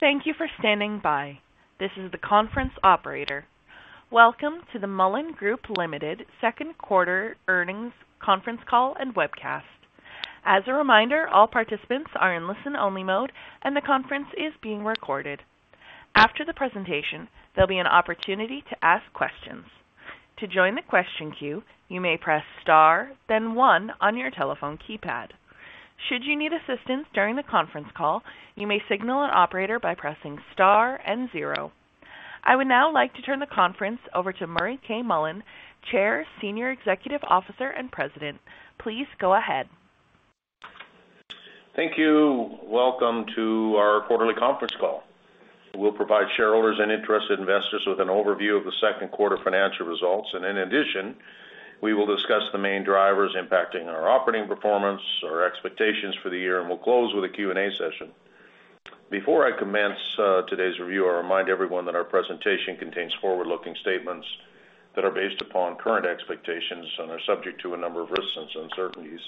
Thank you for standing by. This is the conference operator. Welcome to the Mullen Group Limited. Second Quarter Earnings Conference Call and Webcast. As a reminder, all participants are in listen-only mode, and the conference is being recorded. After the presentation, there'll be an opportunity to ask questions. To join the question queue, you may press star then one on your telephone keypad. Should you need assistance during the conference call, you may signal an operator by pressing star and zero. I would now like to turn the conference over to Murray K. Mullen, Chair, Senior Executive Officer, and President. Please go ahead. Thank you. Welcome to our quarterly conference call. We'll provide shareholders and interested investors with an overview of the second quarter financial results. In addition, we will discuss the main drivers impacting our operating performance, our expectations for the year, and we'll close with a Q&A session. Before I commence today's review, I remind everyone that our presentation contains forward-looking statements that are based upon current expectations and are subject to a number of risks and uncertainties.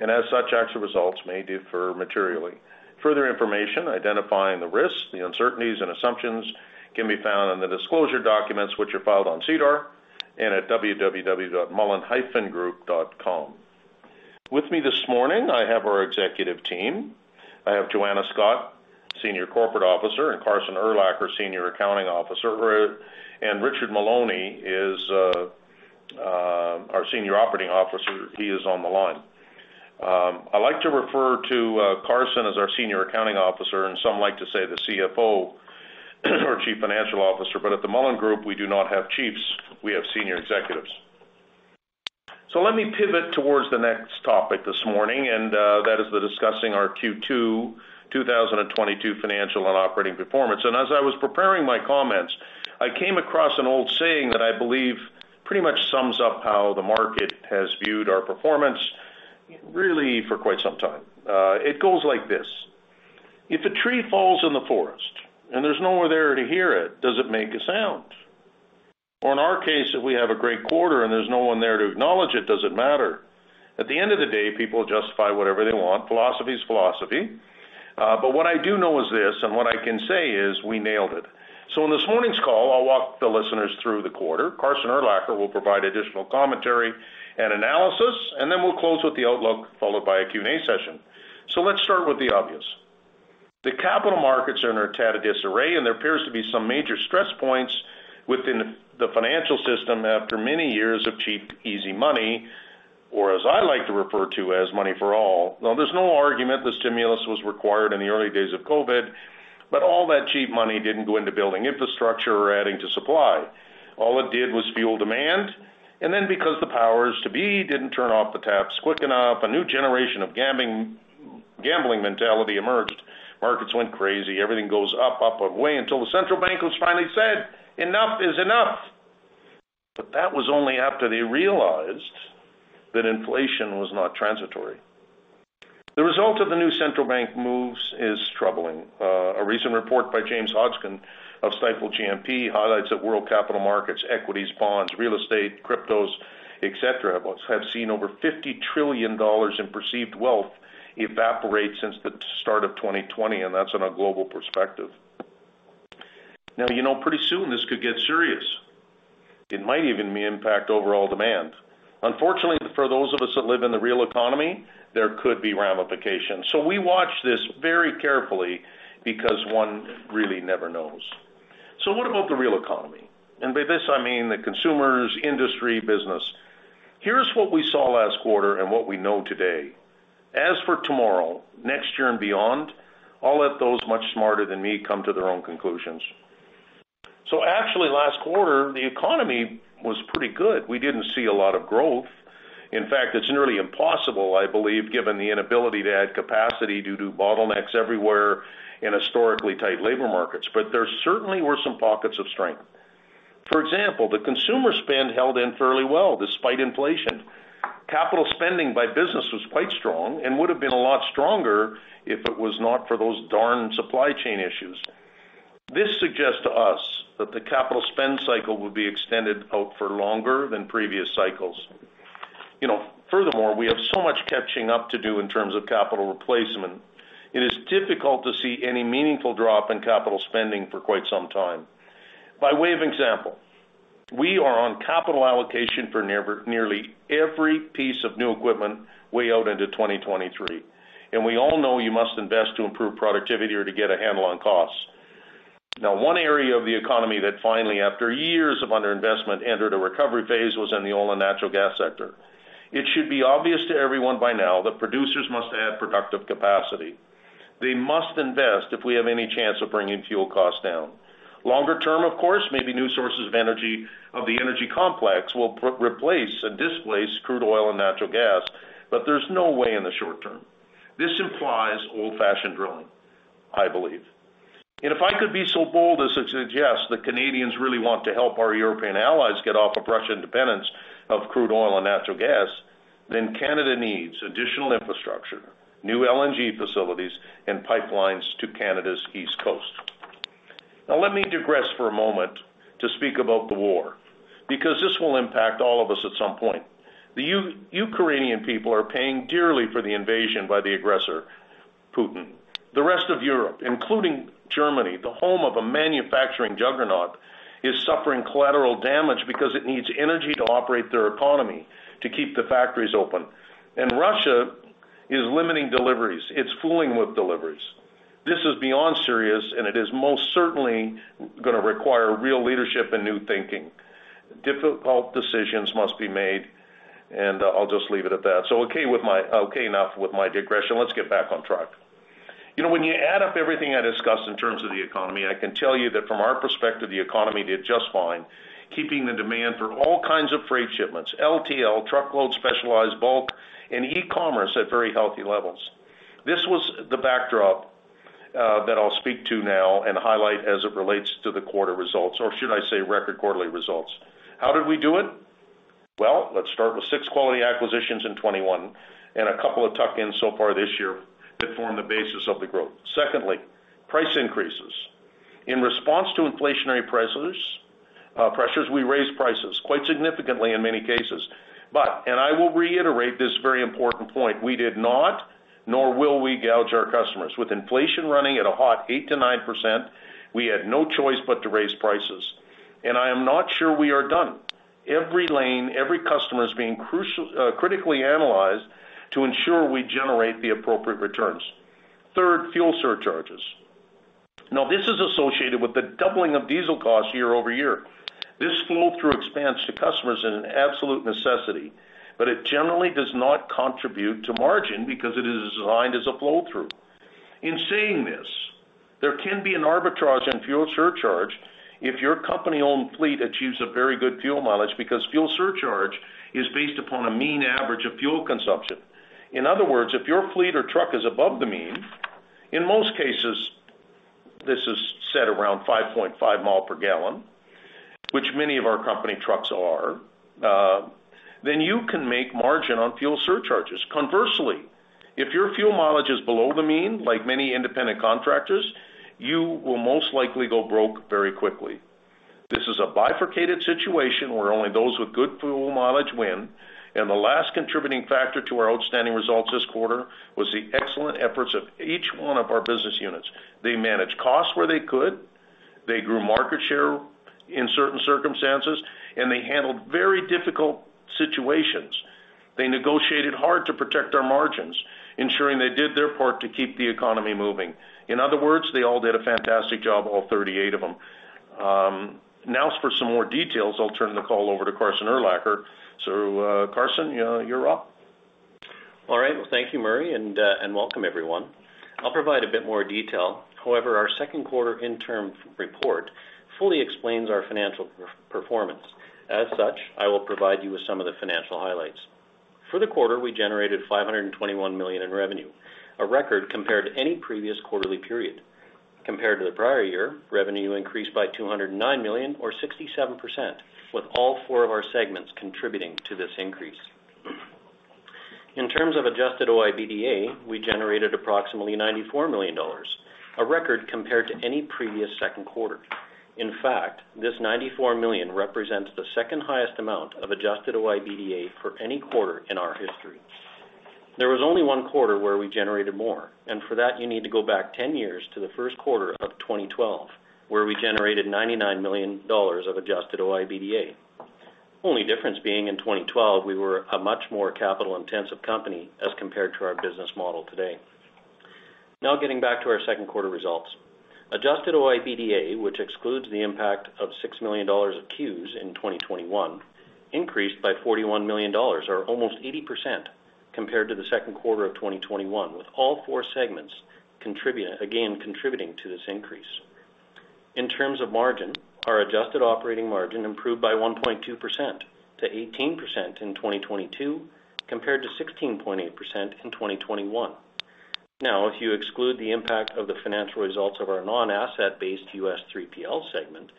As such, actual results may differ materially. Further information identifying the risks, the uncertainties, and assumptions can be found on the disclosure documents, which are filed on SEDAR and at www.mullen-group.com. With me this morning, I have our executive team. I have Joanna Scott, Senior Corporate Officer, and Carson Urlacher, Senior Financial Officer. Richard Maloney is our Senior Operating Officer. He is on the line. I like to refer to Carson as our senior accounting officer, and some like to say the CFO or Chief Financial Officer. At the Mullen Group, we do not have chiefs, we have senior executives. Let me pivot towards the next topic this morning, and that is the discussing our Q2 2022 financial and operating performance. As I was preparing my comments, I came across an old saying that I believe pretty much sums up how the market has viewed our performance really for quite some time. It goes like this: If a tree falls in the forest and there's no one there to hear it, does it make a sound? Or in our case, if we have a great quarter and there's no one there to acknowledge it, does it matter? At the end of the day, people justify whatever they want. Philosophy is philosophy. What I do know is this, and what I can say is we nailed it. In this morning's call, I'll walk the listeners through the quarter. Carson Urlacher will provide additional commentary and analysis, and then we'll close with the outlook, followed by a Q&A session. Let's start with the obvious. The capital markets are in a tad of disarray, and there appears to be some major stress points within the financial system after many years of cheap, easy money, or as I like to refer to as money for all. Now, there's no argument that stimulus was required in the early days of COVID, but all that cheap money didn't go into building infrastructure or adding to supply. All it did was fuel demand. Because the powers that be didn't turn off the taps quick enough, a new generation of gambling mentality emerged. Markets went crazy. Everything goes up away until the central bank finally said, "Enough is enough." That was only after they realized that inflation was not transitory. The result of the new central bank moves is troubling. A recent report by James Hodgins of Stifel GMP highlights that world capital markets, equities, bonds, real estate, cryptos, et cetera, have seen over $50 trillion in perceived wealth evaporate since the start of 2020, and that's on a global perspective. Now, you know, pretty soon this could get serious. It might even impact overall demand. Unfortunately for those of us that live in the real economy, there could be ramifications. We watch this very carefully because one really never knows. What about the real economy? By this, I mean the consumers, industry, business. Here's what we saw last quarter and what we know today. As for tomorrow, next year and beyond, I'll let those much smarter than me come to their own conclusions. Actually last quarter, the economy was pretty good. We didn't see a lot of growth. In fact, it's nearly impossible, I believe, given the inability to add capacity due to bottlenecks everywhere in historically tight labor markets. There certainly were some pockets of strength. For example, the consumer spend held in fairly well despite inflation. Capital spending by business was quite strong and would have been a lot stronger if it was not for those darn supply chain issues. This suggests to us that the capital spend cycle will be extended out for longer than previous cycles. You know, furthermore, we have so much catching up to do in terms of capital replacement. It is difficult to see any meaningful drop in capital spending for quite some time. By way of example, we are on capital allocation for nearly every piece of new equipment way out into 2023. We all know you must invest to improve productivity or to get a handle on costs. Now, one area of the economy that finally, after years of underinvestment, entered a recovery phase, was in the oil and natural gas sector. It should be obvious to everyone by now that producers must add productive capacity. They must invest if we have any chance of bringing fuel costs down. Longer term, of course, maybe new sources of energy of the energy complex will replace and displace crude oil and natural gas, but there's no way in the short term. This implies old-fashioned drilling, I believe. If I could be so bold as to suggest that Canadians really want to help our European allies get off of Russian independence of crude oil and natural gas, then Canada needs additional infrastructure, new LNG facilities, and pipelines to Canada's East Coast. Now let me digress for a moment to speak about the war, because this will impact all of us at some point. The Ukrainian people are paying dearly for the invasion by the aggressor, Putin. The rest of Europe, including Germany, the home of a manufacturing juggernaut, is suffering collateral damage because it needs energy to operate their economy to keep the factories open. Russia is limiting deliveries. It's fooling with deliveries. This is beyond serious, and it is most certainly going to require real leadership and new thinking. Difficult decisions must be made, and I'll just leave it at that. Okay enough with my digression. Let's get back on track. When you add up everything I discussed in terms of the economy, I can tell you that from our perspective, the economy did just fine, keeping the demand for all kinds of freight shipments, LTL, truckload specialized, bulk, and e-commerce at very healthy levels. This was the backdrop that I'll speak to now and highlight as it relates to the quarter results, or should I say record quarterly results. How did we do it? Well, let's start with six quality acquisitions in 2021 and a couple of tuck-ins so far this year that form the basis of the growth. Secondly, price increases. In response to inflationary pressures, we raised prices quite significantly in many cases. I will reiterate this very important point, we did not nor will we gouge our customers. With inflation running at a hot 8%-9%, we had no choice but to raise prices. I am not sure we are done. Every lane, every customer is being critically analyzed to ensure we generate the appropriate returns. Third, fuel surcharges. Now, this is associated with the doubling of diesel costs year-over-year. This flow-through passes to customers as an absolute necessity, but it generally does not contribute to margin because it is designed as a flow-through. In saying this, there can be an arbitrage in fuel surcharge if your company-owned fleet achieves a very good fuel mileage because fuel surcharge is based upon a mean average of fuel consumption. In other words, if your fleet or truck is above the mean, in most cases, this is set around 5.5 miles per gallon, which many of our company trucks are, then you can make margin on fuel surcharges. Conversely, if your fuel mileage is below the mean, like many independent contractors, you will most likely go broke very quickly. This is a bifurcated situation where only those with good fuel mileage win, and the last contributing factor to our outstanding results this quarter was the excellent efforts of each one of our business units. They managed costs where they could, they grew market share in certain circumstances, and they handled very difficult situations. They negotiated hard to protect our margins, ensuring they did their part to keep the economy moving. In other words, they all did a fantastic job, all 38 of them. Now for some more details, I'll turn the call over to Carson Urlacher. Carson, you're up. All right. Well, thank you, Murray, and welcome, everyone. I'll provide a bit more detail. However, our second quarter interim report fully explains our financial performance. As such, I will provide you with some of the financial highlights. For the quarter, we generated 521 million in revenue, a record compared to any previous quarterly period. Compared to the prior year, revenue increased by 209 million or 67%, with all four of our segments contributing to this increase. In terms of adjusted OIBDA, we generated approximately 94 million dollars, a record compared to any previous second quarter. In fact, this 94 million represents the second highest amount of adjusted OIBDA for any quarter in our history. There was only one quarter where we generated more, and for that, you need to go back 10 years to the first quarter of 2012, where we generated 99 million dollars of adjusted OIBDA. Only difference being in 2012, we were a much more capital-intensive company as compared to our business model today. Now getting back to our second quarter results. Adjusted OIBDA, which excludes the impact of 6 million dollars of acquisition costs in 2021, increased by 41 million dollars or almost 80% compared to the second quarter of 2021, with all four segments contributing to this increase. In terms of margin, our adjusted operating margin improved by 1.2% to 18% in 2022 compared to 16.8% in 2021. Now, if you exclude the impact of the financial results of our non-asset-based U.S. 3PL segment,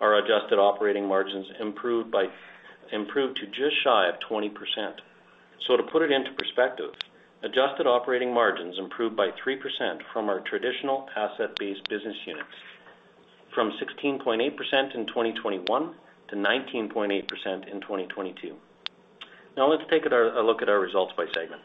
our adjusted operating margins improved to just shy of 20%. To put it into perspective, adjusted operating margins improved by 3% from our traditional asset-based business units from 16.8% in 2021 to 19.8% in 2022. Now let's take a look at our results by segment.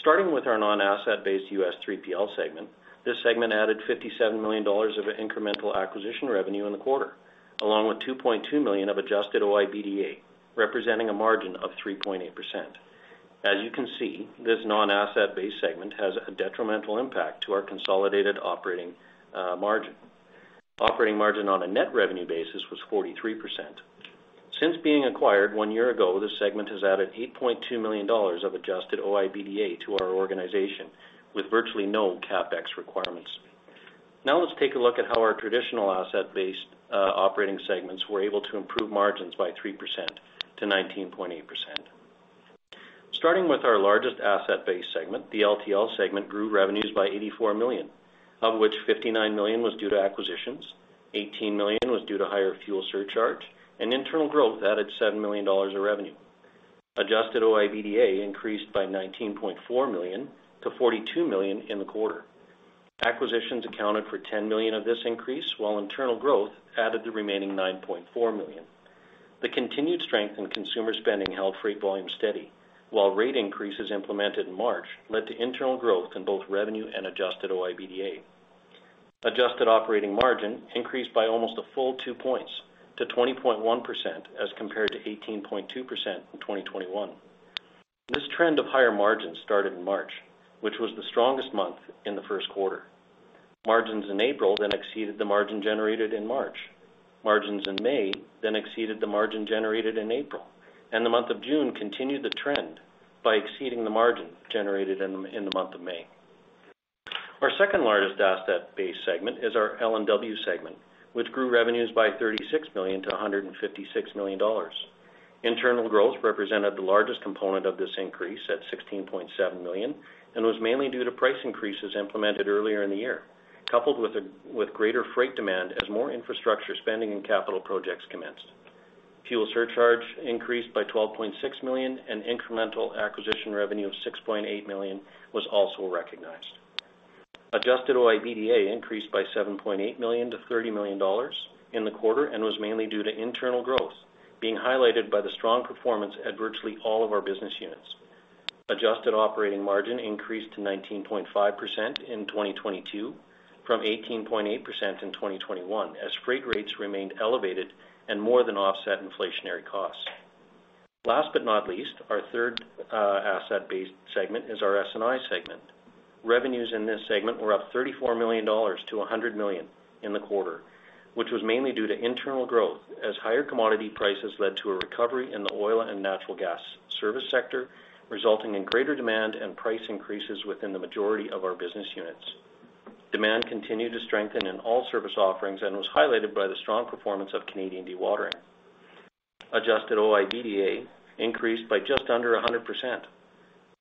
Starting with our non-asset-based U.S. 3PL segment, this segment added $57 million of incremental acquisition revenue in the quarter, along with $2.2 million of adjusted OIBDA, representing a margin of 3.8%. As you can see, this non-asset-based segment has a detrimental impact to our consolidated operating margin. Operating margin on a net revenue basis was 43%. Since being acquired one year ago, this segment has added 8.2 million dollars of adjusted OIBDA to our organization with virtually no CapEx requirements. Now let's take a look at how our traditional asset-based operating segments were able to improve margins by 3% to 19.8%. Starting with our largest asset-based segment, the LTL segment grew revenues by 84 million, of which 59 million was due to acquisitions, 18 million was due to higher fuel surcharge, and internal growth added 7 million dollars of revenue. Adjusted OIBDA increased by 19.4 million to 42 million in the quarter. Acquisitions accounted for 10 million of this increase, while internal growth added the remaining 9.4 million. The continued strength in consumer spending held freight volume steady, while rate increases implemented in March led to internal growth in both revenue and adjusted OIBDA. Adjusted operating margin increased by almost a full two points to 20.1% as compared to 18.2% in 2021. This trend of higher margins started in March, which was the strongest month in the first quarter. Margins in April then exceeded the margin generated in March. Margins in May then exceeded the margin generated in April, and the month of June continued the trend by exceeding the margin generated in the month of May. Our second-largest asset-based segment is our L&W segment, which grew revenues by 36 million to 156 million dollars. Internal growth represented the largest component of this increase at 16.7 million, and was mainly due to price increases implemented earlier in the year, coupled with greater freight demand as more infrastructure spending and capital projects commenced. Fuel surcharge increased by 12.6 million, and incremental acquisition revenue of 6.8 million was also recognized. Adjusted OIBDA increased by 7.8 million to 30 million dollars in the quarter, and was mainly due to internal growth being highlighted by the strong performance at virtually all of our business units. Adjusted operating margin increased to 19.5% in 2022 from 18.8% in 2021 as freight rates remained elevated and more than offset inflationary costs. Last but not least, our third asset-based segment is our S&I segment. Revenues in this segment were up 34 million dollars to 100 million in the quarter, which was mainly due to internal growth as higher commodity prices led to a recovery in the oil and natural gas service sector, resulting in greater demand and price increases within the majority of our business units. Demand continued to strengthen in all service offerings and was highlighted by the strong performance of Canadian Dewatering. Adjusted OIBDA increased by just under 100%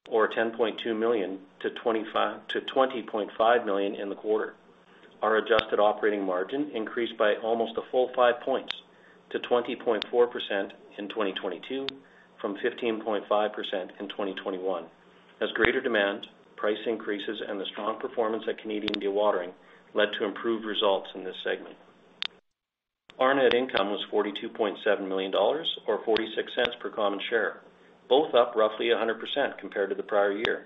or 10.2 million to 20.5 million in the quarter. Our adjusted operating margin increased by almost a full five points to 20.4% in 2022 from 15.5% in 2021 as greater demand, price increases, and the strong performance at Canadian Dewatering led to improved results in this segment. Our net income was 42.7 million dollars or 0.46 per common share, both up roughly 100% compared to the prior year.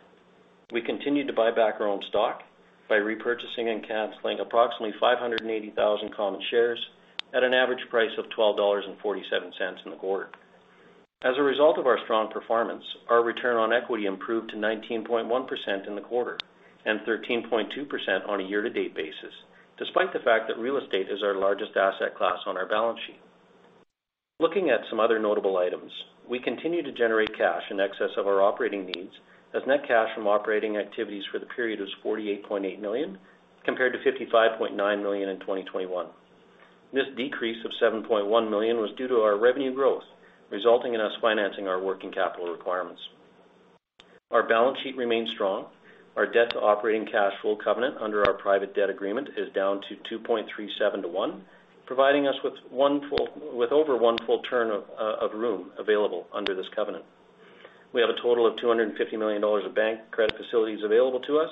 We continued to buy back our own stock by repurchasing and canceling approximately 580,000 common shares at an average price of 12.47 dollars in the quarter. As a result of our strong performance, our return on equity improved to 19.1% in the quarter and 13.2% on a year-to-date basis, despite the fact that real estate is our largest asset class on our balance sheet. Looking at some other notable items, we continue to generate cash in excess of our operating needs as net cash from operating activities for the period was 48.8 million, compared to 55.9 million in 2021. This decrease of 7.1 million was due to our revenue growth, resulting in us financing our working capital requirements. Our balance sheet remains strong. Our debt-to-operating cash flow covenant under our private debt agreement is down to 2.37 to one, providing us with over one full turn of room available under this covenant. We have a total of 250 million dollars of bank credit facilities available to us,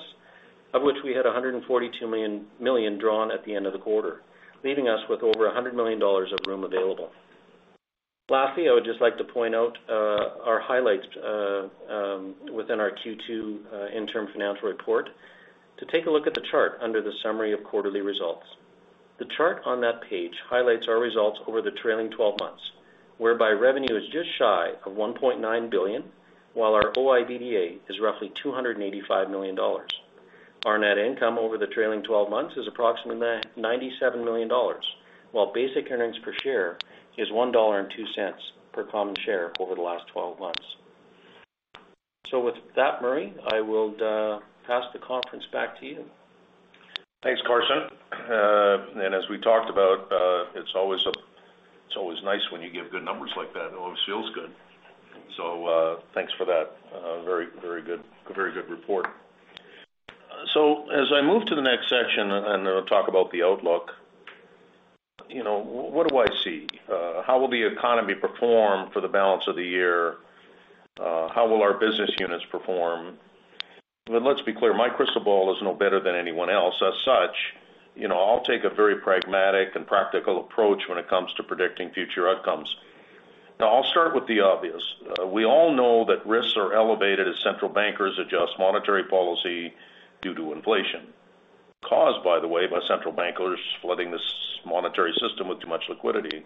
of which we had 142 million drawn at the end of the quarter, leaving us with over 100 million dollars of room available. Lastly, I would just like to point out our highlights within our Q2 interim financial report to take a look at the chart under the summary of quarterly results. The chart on that page highlights our results over the trailing twelve months, whereby revenue is just shy of 1.9 billion, while our OIBDA is roughly 285 million dollars. Our net income over the trailing twelve months is approximately 97 million dollars, while basic earnings per share is 1.02 dollar per common share over the last twelve months. With that, Murray, I will pass the conference back to you. Thanks, Carson. And as we talked about, it's always nice when you give good numbers like that. It always feels good. Thanks for that, very good report. As I move to the next section and I'll talk about the outlook, you know, what do I see? How will the economy perform for the balance of the year? How will our business units perform? Let's be clear, my crystal ball is no better than anyone else. As such, you know, I'll take a very pragmatic and practical approach when it comes to predicting future outcomes. Now I'll start with the obvious. We all know that risks are elevated as central bankers adjust monetary policy due to inflation caused, by the way, by central bankers flooding this monetary system with too much liquidity.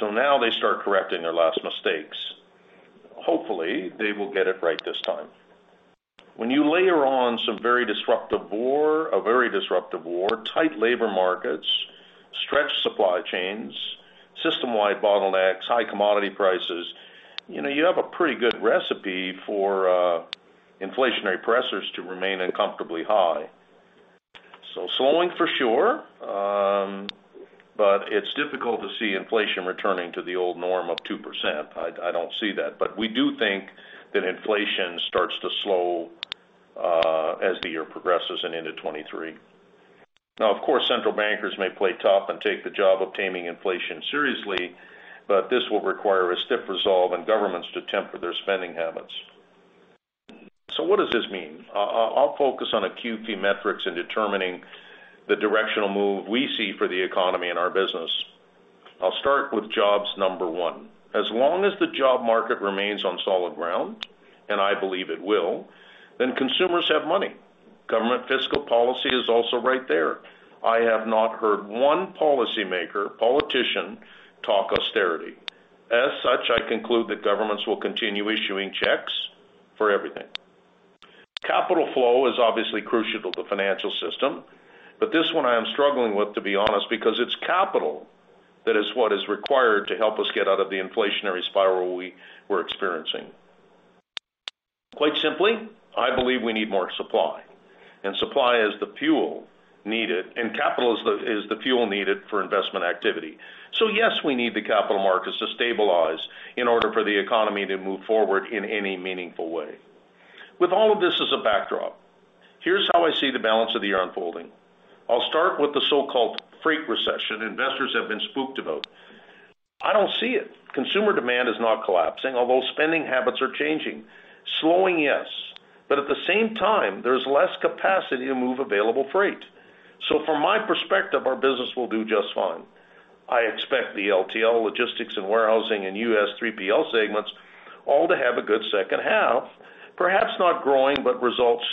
Now they start correcting their last mistakes. Hopefully, they will get it right this time. When you layer on some very disruptive war, tight labor markets, stretched supply chains, system-wide bottlenecks, high commodity prices, you know, you have a pretty good recipe for inflationary pressures to remain uncomfortably high. Slowing for sure, but it's difficult to see inflation returning to the old norm of 2%. I don't see that. We do think that inflation starts to slow as the year progresses and into 2023. Now, of course, central bankers may play tough and take the job of taming inflation seriously, but this will require a stiff resolve and governments to temper their spending habits. What does this mean? I'll focus on a few key metrics in determining the directional move we see for the economy and our business. I'll start with jobs number one. As long as the job market remains on solid ground, and I believe it will, then consumers have money. Government fiscal policy is also right there. I have not heard one policymaker, politician talk austerity. As such, I conclude that governments will continue issuing checks for everything. Capital flow is obviously crucial to the financial system. This one I am struggling with, to be honest, because it's capital that is what is required to help us get out of the inflationary spiral we're experiencing. Quite simply, I believe we need more supply, and supply is the fuel needed, and capital is the fuel needed for investment activity. Yes, we need the capital markets to stabilize in order for the economy to move forward in any meaningful way. With all of this as a backdrop, here's how I see the balance of the year unfolding. I'll start with the so-called freight recession investors have been spooked about. I don't see it. Consumer demand is not collapsing, although spending habits are changing. Slowing, yes, but at the same time, there's less capacity to move available freight. From my perspective, our business will do just fine. I expect the LTL logistics and warehousing and U.S. 3PL segments all to have a good second half. Perhaps not growing, but results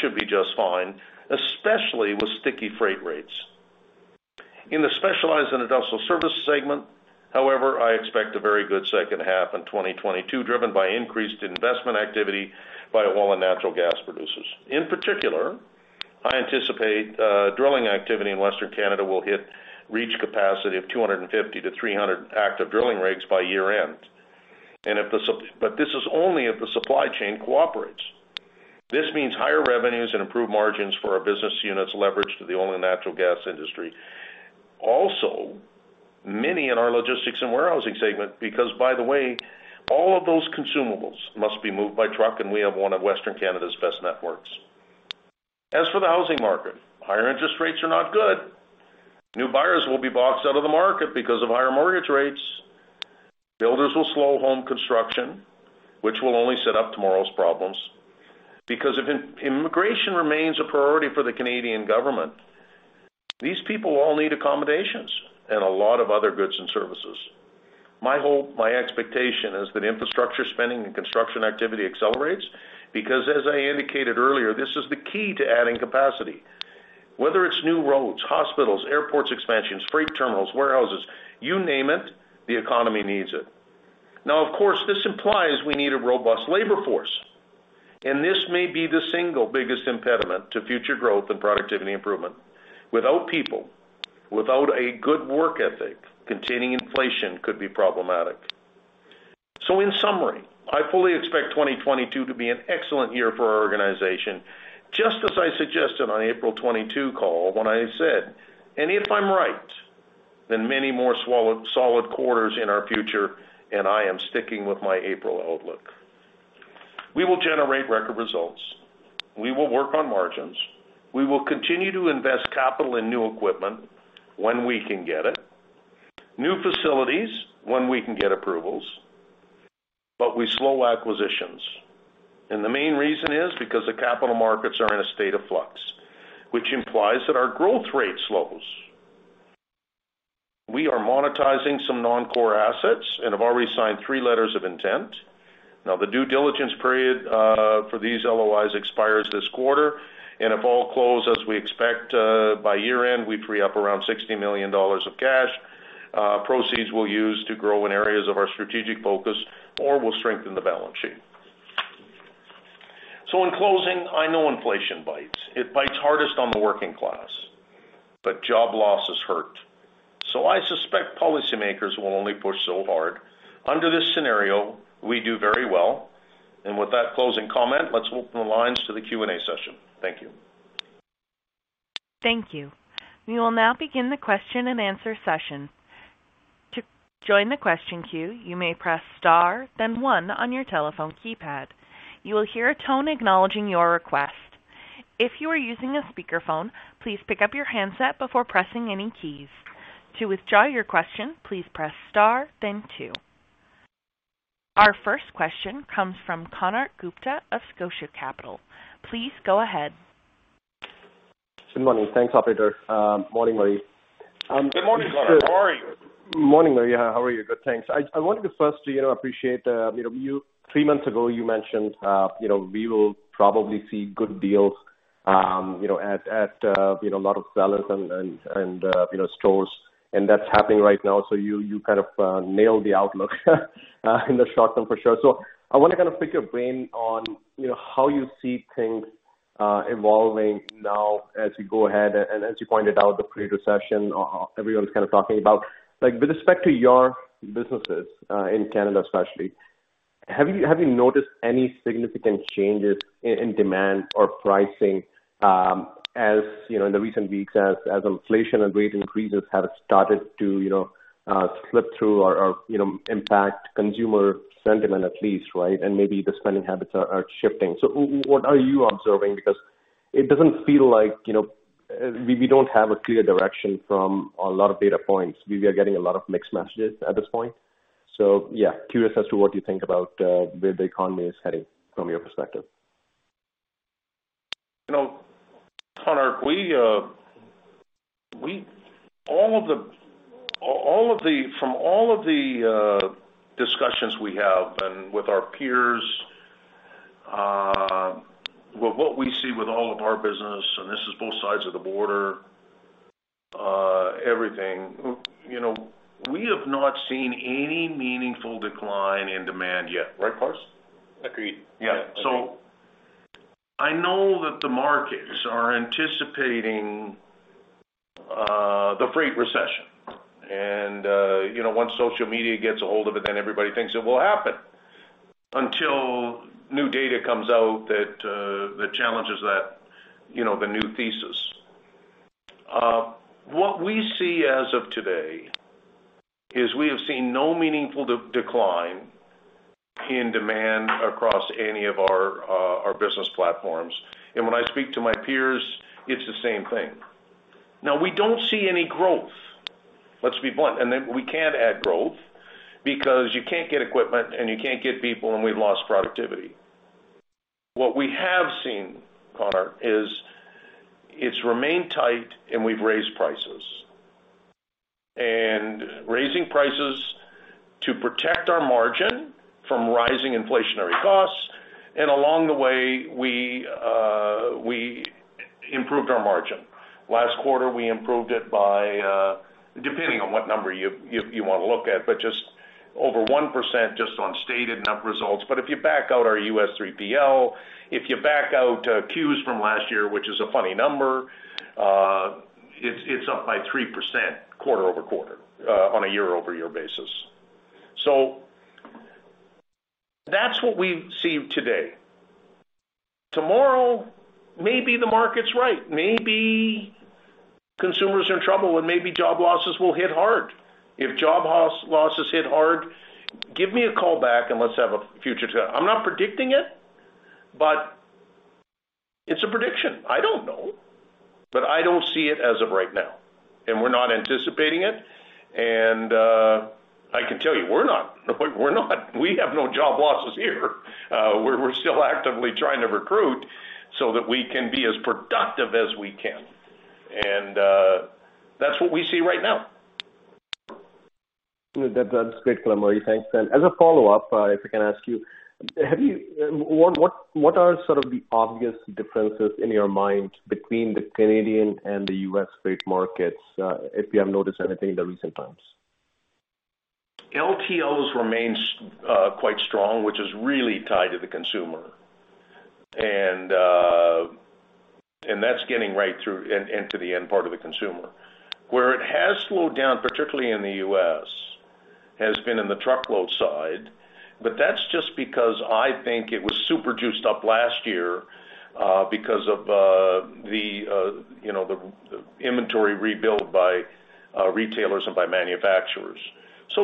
should be just fine, especially with sticky freight rates. In the specialized and industrial services segment, however, I expect a very good second half in 2022, driven by increased investment activity by oil and natural gas producers. In particular, I anticipate drilling activity in Western Canada will reach capacity of 250-300 active drilling rigs by year-end. This is only if the supply chain cooperates. This means higher revenues and improved margins for our business units leveraged to the oil and natural gas industry. Also, money in our logistics and warehousing segment, because by the way, all of those consumables must be moved by truck, and we have one of Western Canada's best networks. As for the housing market, higher interest rates are not good. New buyers will be boxed out of the market because of higher mortgage rates. Builders will slow home construction, which will only set up tomorrow's problems. Because if immigration remains a priority for the Canadian government, these people all need accommodations and a lot of other goods and services. My hope, my expectation is that infrastructure spending and construction activity accelerates because as I indicated earlier, this is the key to adding capacity. Whether it's new roads, hospitals, airports expansions, freight terminals, warehouses, you name it, the economy needs it. Now, of course, this implies we need a robust labor force, and this may be the single biggest impediment to future growth and productivity improvement. Without people, without a good work ethic, containing inflation could be problematic. In summary, I fully expect 2022 to be an excellent year for our organization, just as I suggested on the April 2022 call when I said, "If I'm right, then many more solid quarters in our future, and I am sticking with my April outlook." We will generate record results. We will work on margins. We will continue to invest capital in new equipment when we can get it. New facilities when we can get approvals, but we slow acquisitions. The main reason is because the capital markets are in a state of flux, which implies that our growth rate slows. We are monetizing some non-core assets and have already signed three letters of intent. Now, the due diligence period for these LOIs expires this quarter, and if all close as we expect, by year-end, we free up around 60 million dollars of cash proceeds we'll use to grow in areas of our strategic focus or will strengthen the balance sheet. In closing, I know inflation bites. It bites hardest on the working class, but job losses hurt. I suspect policymakers will only push so hard. Under this scenario, we do very well. With that closing comment, let's open the lines to the Q&A session. Thank you. Thank you. We will now begin the question-and-answer session. To join the question queue, you may press star then one on your telephone keypad. You will hear a tone acknowledging your request. If you are using a speakerphone, please pick up your handset before pressing any keys. To withdraw your question, please press star then two. Our first question comes from Konark Gupta of Scotia Capital. Please go ahead. Good morning. Thanks, operator. Morning, Murray. Good morning, Konark. How are you? Morning, Murray. How are you? Good, thanks. I wanted to first you know appreciate you know three months ago you mentioned you know we will probably see good deals you know at a lot of sellers and stores and that's happening right now. You kind of nailed the outlook in the short term for sure. I wanna kind of pick your brain on you know how you see things evolving now as you go ahead and as you pointed out the freight recession everyone's kind of talking about. Like, with respect to your businesses in Canada especially, have you noticed any significant changes in demand or pricing, as you know, in the recent weeks as inflation and rate increases have started to, you know, slip through or, you know, impact consumer sentiment at least, right? Maybe the spending habits are shifting. What are you observing? It doesn't feel like, you know, we don't have a clear direction from a lot of data points. We are getting a lot of mixed messages at this point. Yeah, curious as to what you think about where the economy is heading from your perspective. You know, Konark, from all of the discussions we have and with our peers, with what we see with all of our business, and this is both sides of the border, everything, you know, we have not seen any meaningful decline in demand yet. Right, Carson? Agreed. Yeah. I know that the markets are anticipating the freight recession. You know, once social media gets a hold of it, then everybody thinks it will happen until new data comes out that challenges that, you know, the new thesis. What we see as of today is we have seen no meaningful decline in demand across any of our business platforms. When I speak to my peers, it's the same thing. Now, we don't see any growth. Let's be blunt. We can't add growth because you can't get equipment, and you can't get people, and we've lost productivity. What we have seen, Konark, is it's remained tight, and we've raised prices. Raising prices to protect our margin from rising inflationary costs, and along the way, we improved our margin. Last quarter, we improved it by, depending on what number you wanna look at, but just over 1% just on stated net results. If you back out our U.S. 3PL, if you back out CEWS from last year, which is a funny number, it's up by 3% quarter-over-quarter on a year-over-year basis. That's what we see today. Tomorrow, maybe the market's right. Maybe consumers are in trouble, and maybe job losses will hit hard. If job losses hit hard, give me a call back, and let's have a follow-up to that. I'm not predicting it, but it's a prediction. I don't know. I don't see it as of right now, and we're not anticipating it. I can tell you we're not. We have no job losses here. We're still actively trying to recruit so that we can be as productive as we can. That's what we see right now. That's great, Murray. Thanks. As a follow-up, if I can ask you, what are sort of the obvious differences in your mind between the Canadian and the U.S. freight markets, if you have noticed anything in the recent times? LTLs remain quite strong, which is really tied to the consumer. That's getting right through and to the end part of the consumer. Where it has slowed down, particularly in the U.S., has been in the truckload side, but that's just because I think it was super juiced up last year because of the you know the inventory rebuild by retailers and by manufacturers.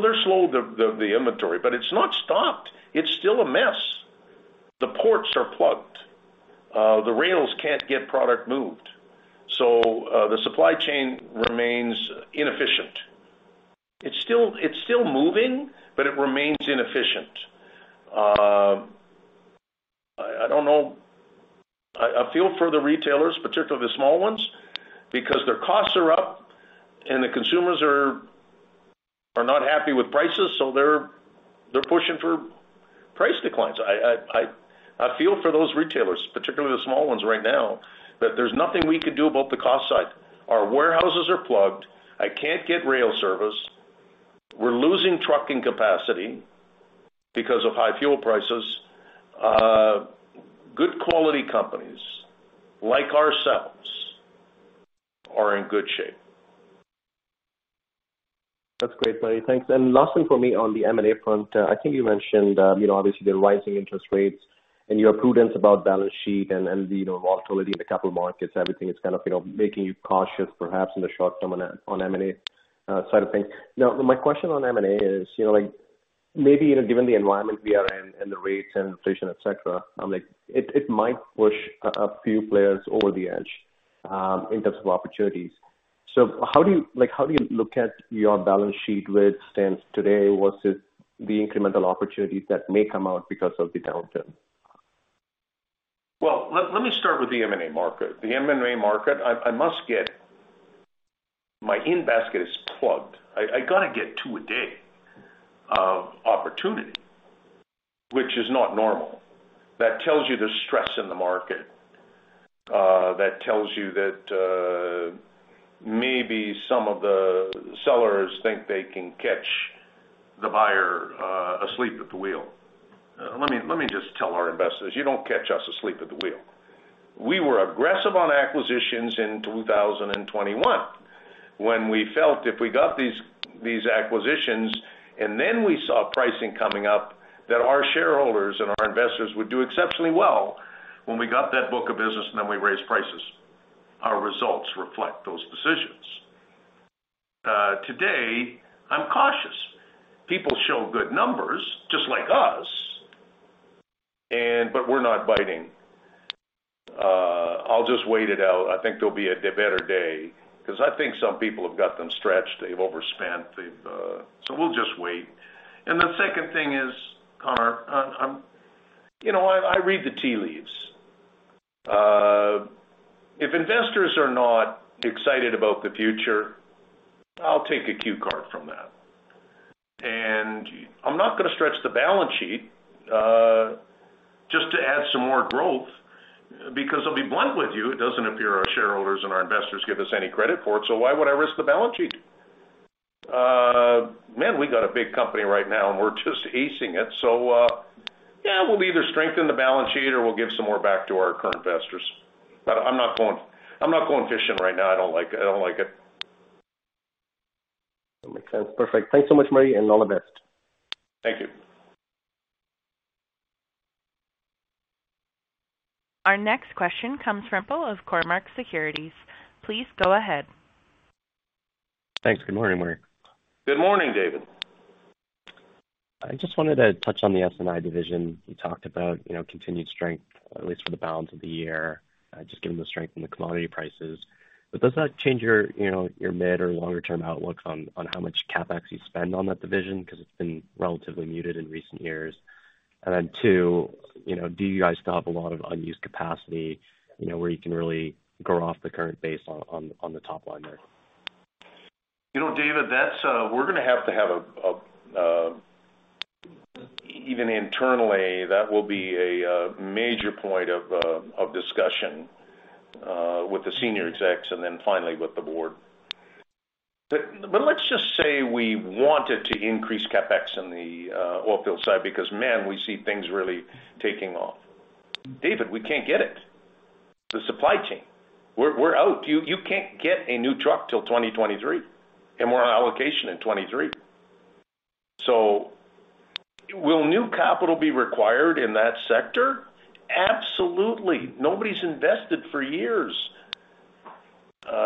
They're slowing the inventory, but it's not stopped. It's still a mess. The ports are plugged. The rails can't get product moved. The supply chain remains inefficient. It's still moving, but it remains inefficient. I don't know. I feel for the retailers, particularly the small ones, because their costs are up, and the consumers are not happy with prices, so they're pushing for price declines. I feel for those retailers, particularly the small ones right now, but there's nothing we can do about the cost side. Our warehouses are plugged. I can't get rail service. We're losing trucking capacity because of high fuel prices. Good quality companies, like ourselves, are in good shape. That's great, buddy. Thanks. Last one for me on the M&A front. I think you mentioned, you know, obviously the rising interest rates and your prudence about balance sheet and, you know, volatility in the capital markets. Everything is kind of, you know, making you cautious perhaps in the short term on M&A side of things. Now, my question on M&A is, you know, like, maybe, you know, given the environment we are in and the rates and inflation, et cetera, like, it might push a few players over the edge, in terms of opportunities. How do you look at your balance sheet where it stands today versus the incremental opportunities that may come out because of the downturn? Well, let me start with the M&A market. The M&A market, I must get my in-basket is plugged. I gotta get two a day of opportunity, which is not normal. That tells you there's stress in the market. That tells you that, maybe some of the sellers think they can catch the buyer, asleep at the wheel. Let me just tell our investors, you don't catch us asleep at the wheel. We were aggressive on acquisitions in 2021 when we felt if we got these acquisitions and then we saw pricing coming up, that our shareholders and our investors would do exceptionally well when we got that book of business and then we raised prices. Our results reflect those decisions. Today I'm cautious. People show good numbers just like us, and but we're not biting. I'll just wait it out. I think there'll be a better day because I think some people have got them stretched. They've overspent. We'll just wait. The second thing is, Konark, you know, I read the tea leaves. If investors are not excited about the future, I'll take a cue from that. I'm not gonna stretch the balance sheet just to add some more growth because I'll be blunt with you, it doesn't appear our shareholders and our investors give us any credit for it, so why would I risk the balance sheet? Man, we got a big company right now, and we're just acing it. Yeah, we'll either strengthen the balance sheet or we'll give some more back to our current investors. I'm not going fishing right now. I don't like it. That makes sense. Perfect. Thanks so much, Murray, and all the best. Thank you. Our next question comes from David Ocampo of Cormark Securities. Please go ahead. Thanks. Good morning, Murray. Good morning, David. I just wanted to touch on the S&I division. You talked about, you know, continued strength at least for the balance of the year, just given the strength in the commodity prices. Does that change your, you know, your mid or longer term outlook on how much CapEx you spend on that division because it's been relatively muted in recent years? Then two, you know, do you guys still have a lot of unused capacity, you know, where you can really grow off the current base on the top line there? You know, David, that's. We're gonna have to have a even internally that will be a major point of discussion with the senior execs and then finally with the board. But let's just say we wanted to increase CapEx on the oil field side because, man, we see things really taking off. David, we can't get it. The supply chain. We're out. You can't get a new truck till 2023, and we're on allocation in 2023. So will new capital be required in that sector? Absolutely. Nobody's invested for years,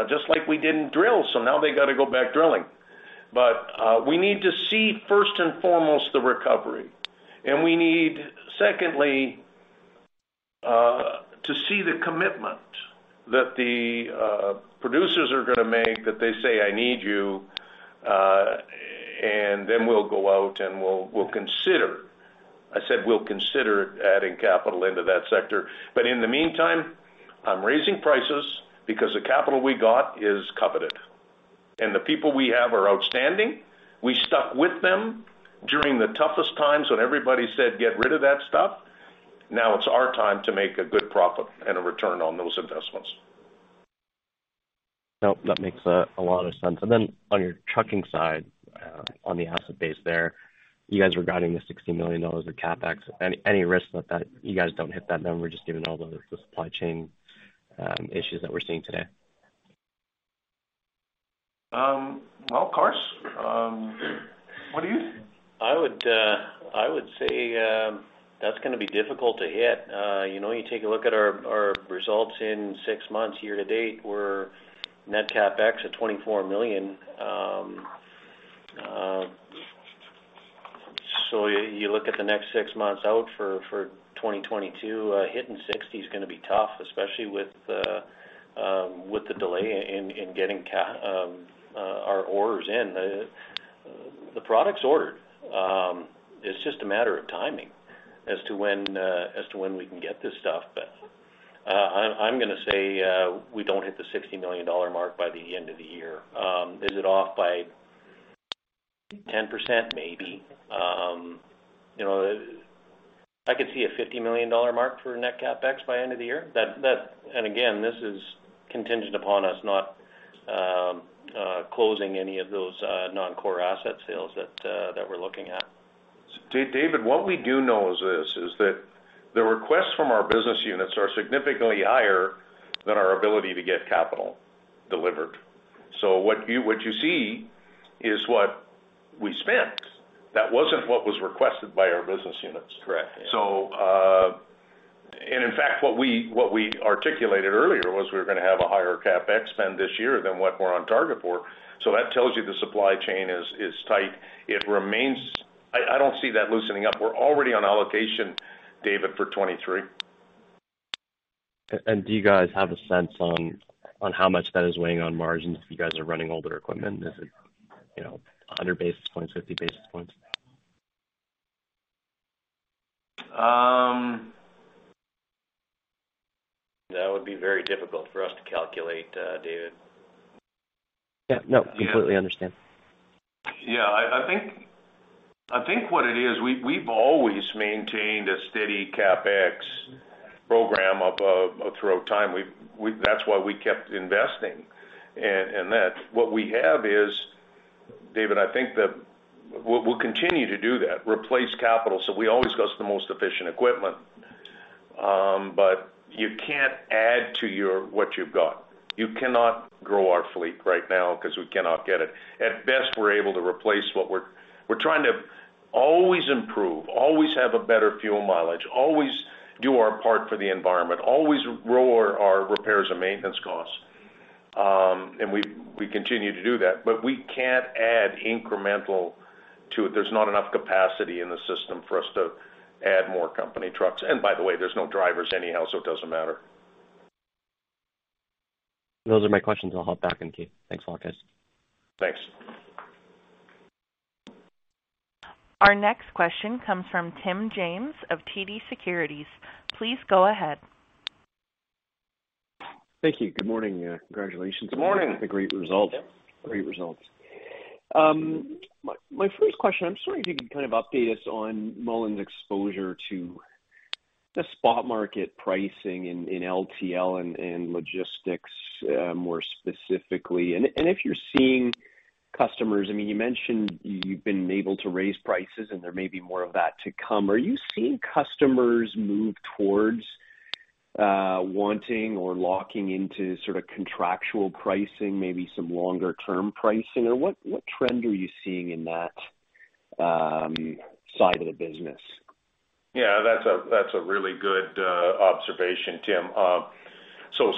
just like we didn't drill, so now they gotta go back drilling. We need to see first and foremost the recovery, and we need secondly to see the commitment that the producers are gonna make, that they say, "I need you," and then we'll go out, and we'll consider. I said, we'll consider adding capital into that sector. In the meantime, I'm raising prices because the capital we got is coveted. The people we have are outstanding. We stuck with them during the toughest times when everybody said, "Get rid of that stuff." Now it's our time to make a good profit and a return on those investments. No, that makes a lot of sense. Then on your trucking side, on the asset base there, you guys were guiding the 60 million dollars of CapEx. Any risk that you guys don't hit that number just given all the supply chain issues that we're seeing today? Well, Carson, what do you think? I would say that's gonna be difficult to hit. You know, you take a look at our results in six months year-to-date, we're net CapEx at 24 million. You look at the next six months out for 2022, hitting 60 is gonna be tough, especially with the delay in getting our orders in. The product's ordered. It's just a matter of timing as to when we can get this stuff. I'm gonna say we don't hit the 60 million dollar mark by the end of the year. Is it off by 10%? Maybe. You know, I could see a 50 million dollar mark for net CapEx by end of the year. That. Again, this is contingent upon us not closing any of those that we're looking at. David, what we do know is that the requests from our business units are significantly higher than our ability to get capital delivered. What you see is what we spent. That wasn't what was requested by our business units. Correct. Yeah. In fact, what we articulated earlier was we're gonna have a higher CapEx spend this year than what we're on target for. That tells you the supply chain is tight. It remains. I don't see that loosening up. We're already on allocation, David, for 2023. Do you guys have a sense on how much that is weighing on margins if you guys are running older equipment? Is it, you know, 100 basis points, 50 basis points? That would be very difficult for us to calculate, David. Yeah, no, completely understand. Yeah. I think what it is, we've always maintained a steady CapEx program throughout time. That's why we kept investing. What we have is, David, I think that we'll continue to do that, replace capital, so we always got the most efficient equipment. But you can't add to what you've got. You cannot grow our fleet right now because we cannot get it. At best, we're able to replace. We're trying to always improve, always have a better fuel mileage, always do our part for the environment. Always lower our repairs and maintenance costs, and we continue to do that, but we can't add incremental to it. There's not enough capacity in the system for us to add more company trucks. By the way, there's no drivers anyhow, so it doesn't matter. Those are my questions. I'll hop back in queue. Thanks a lot, guys. Thanks. Our next question comes from Tim James of TD Securities. Please go ahead. Thank you. Good morning. Congratulations. Good morning. On the great results. My first question, I'm just wondering if you could kind of update us on Mullen's exposure to the spot market pricing in LTL and logistics, more specifically. If you're seeing customers, I mean, you mentioned you've been able to raise prices, and there may be more of that to come. Are you seeing customers move towards wanting or locking into sort of contractual pricing, maybe some longer term pricing? Or what trend are you seeing in that side of the business? Yeah, that's a really good observation, Tim.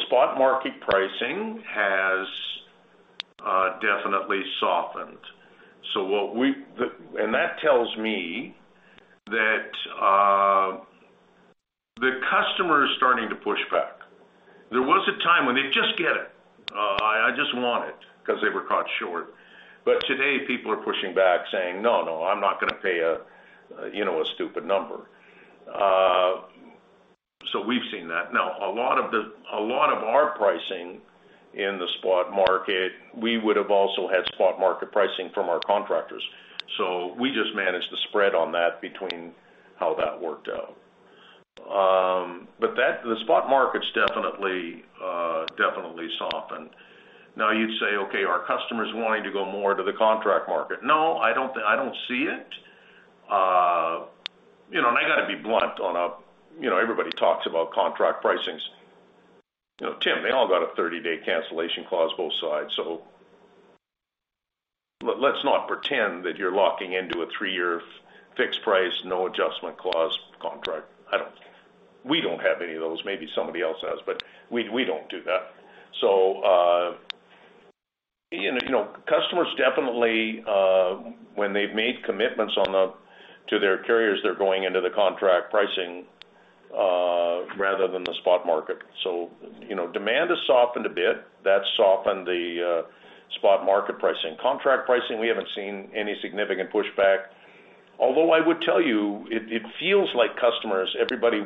Spot market pricing has definitely softened. That tells me that the customer is starting to push back. There was a time when they'd just get it. I just want it because they were caught short. Today, people are pushing back saying, "No, no, I'm not gonna pay a, you know, a stupid number." We've seen that. A lot of our pricing in the spot market, we would have also had spot market pricing from our contractors. We just managed the spread on that between how that worked out. The spot market's definitely softened. Now you'd say, okay, are customers wanting to go more to the contract market? No, I don't see it. I gotta be blunt on a, you know, everybody talks about contract pricings. You know, Tim, they all got a 30-day cancellation clause, both sides. Let's not pretend that you're locking into a 3-year fixed price, no adjustment clause contract. I don't. We don't have any of those. Maybe somebody else has, but we don't do that. Customers definitely, when they've made commitments to their carriers, they're going into the contract pricing, rather than the spot market. You know, demand has softened a bit. That's softened the spot market pricing. Contract pricing, we haven't seen any significant pushback. Although I would tell you, it feels like customers, everybody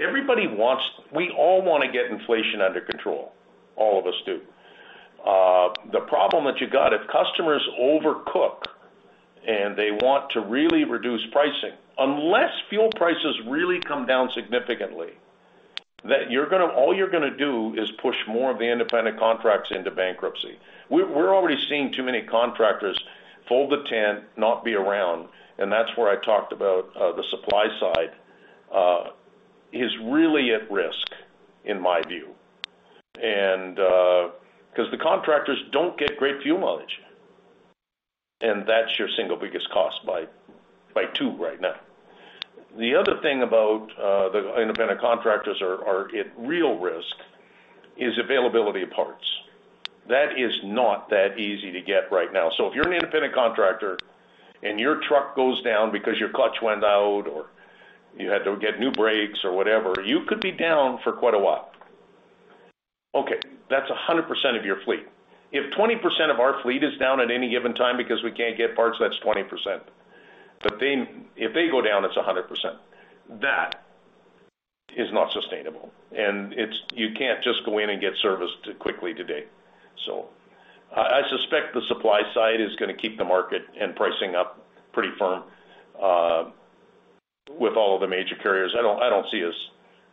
wants. We all wanna get inflation under control. All of us do. The problem that you got, if customers overcook, and they want to really reduce pricing, unless fuel prices really come down significantly, that all you're gonna do is push more of the independent contracts into bankruptcy. We're already seeing too many contractors fold the tent, not be around, and that's where I talked about, the supply side, is really at risk in my view. 'Cause the contractors don't get great fuel mileage, and that's your single biggest cost by two right now. The other thing about, the independent contractors are at real risk is availability of parts. That is not that easy to get right now. If you're an independent contractor, and your truck goes down because your clutch went out or you had to get new brakes or whatever, you could be down for quite a while. Okay, that's 100% of your fleet. If 20% of our fleet is down at any given time because we can't get parts, that's 20%. If they go down, it's 100%. That is not sustainable. You can't just go in and get serviced quickly today. I suspect the supply side is gonna keep the market and pricing up pretty firm, with all of the major carriers. I don't see us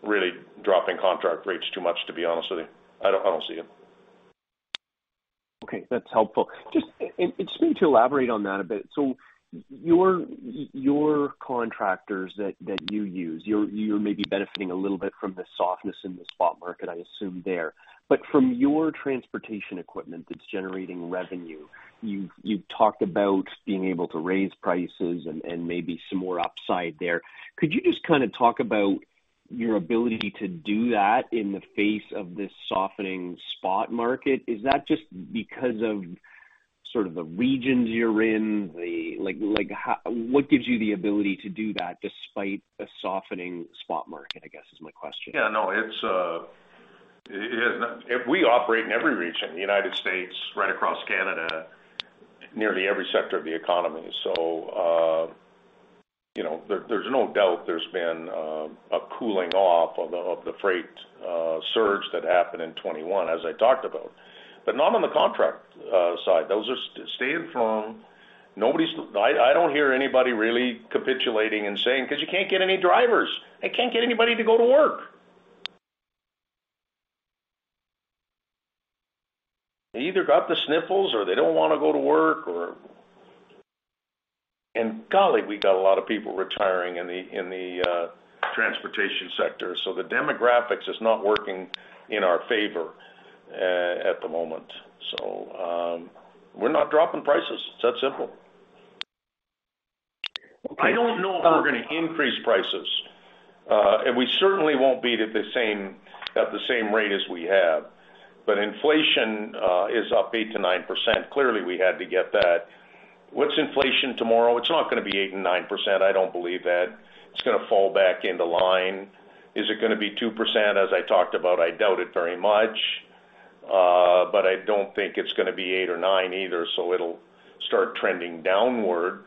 really dropping contract rates too much, to be honest with you. I don't see it. Okay, that's helpful. Just excuse me to elaborate on that a bit. So your contractors that you use, you're maybe benefiting a little bit from the softness in the spot market, I assume there. From your transportation equipment that's generating revenue, you've talked about being able to raise prices and maybe some more upside there. Could you just kinda talk about your ability to do that in the face of this softening spot market? Is that just because of sort of the regions you're in? Like, how? What gives you the ability to do that despite the softening spot market, I guess, is my question. Yeah, no. It's. If we operate in every region, the United States, right across Canada, nearly every sector of the economy. You know, there's no doubt there's been a cooling off of the freight surge that happened in 2021, as I talked about, but not on the contract side. Those are staying firm. Nobody's. I don't hear anybody really capitulating and saying, 'Cause you can't get any drivers. I can't get anybody to go to work. They either got the sniffles, or they don't wanna go to work, or. Golly, we got a lot of people retiring in the transportation sector. The demographics is not working in our favor at the moment. We're not dropping prices. It's that simple. I don't know if we're gonna increase prices. We certainly won't be at the same rate as we have. Inflation is up 8%-9%. Clearly, we had to get that. What's inflation tomorrow? It's not gonna be 8% and 9%, I don't believe that. It's gonna fall back into line. Is it gonna be 2% as I talked about? I doubt it very much. I don't think it's gonna be 8% or 9% either, so it'll start trending downward.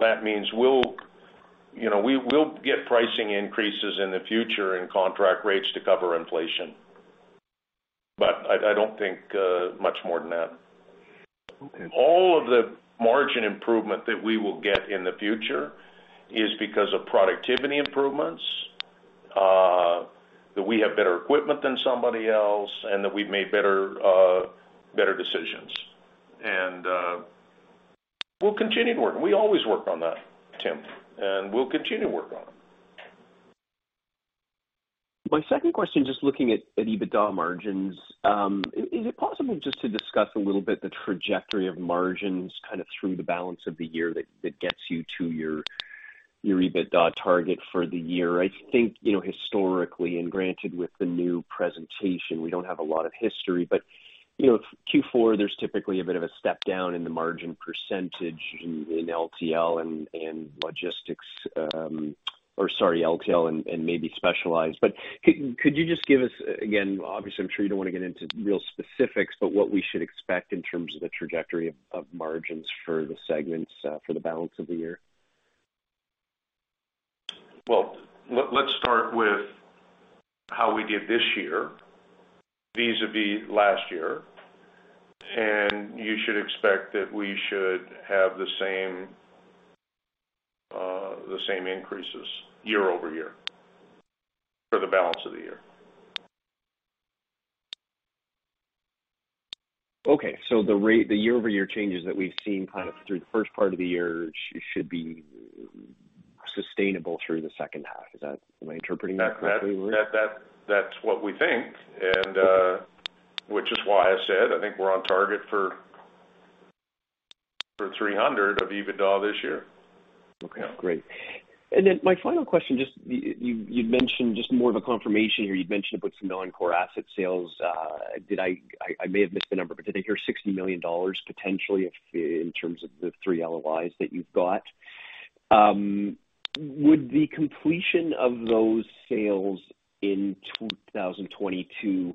That means we'll, you know, we will get pricing increases in the future and contract rates to cover inflation. I don't think much more than that. Okay. All of the margin improvement that we will get in the future is because of productivity improvements that we have better equipment than somebody else, and that we've made better decisions. We'll continue to work. We always work on that, Tim, and we'll continue to work on it. My second question, just looking at EBITDA margins, is it possible just to discuss a little bit the trajectory of margins kind of through the balance of the year that gets you to your EBITDA target for the year? I think, you know, historically, and granted with the new presentation, we don't have a lot of history, but, you know, Q4, there's typically a bit of a step down in the margin percentage in LTL and logistics, or sorry, LTL and maybe specialized. But could you just give us, again, obviously, I'm sure you don't wanna get into real specifics, but what we should expect in terms of the trajectory of margins for the segments for the balance of the year. Well, let's start with how we did this year vis-à-vis last year. You should expect that we should have the same increases year-over-year for the balance of the year. Okay. The year-over-year changes that we've seen kind of through the first part of the year should be sustainable through the second half. Am I interpreting that correctly, Rob? That's what we think, which is why I said I think we're on target for 300 of EBITDA this year. Okay, great. Then my final question, just you'd mentioned just more of a confirmation here. You'd mentioned about some non-core asset sales. I may have missed the number, but did I hear 60 million dollars potentially in terms of the three LOIs that you've got? Would the completion of those sales in 2022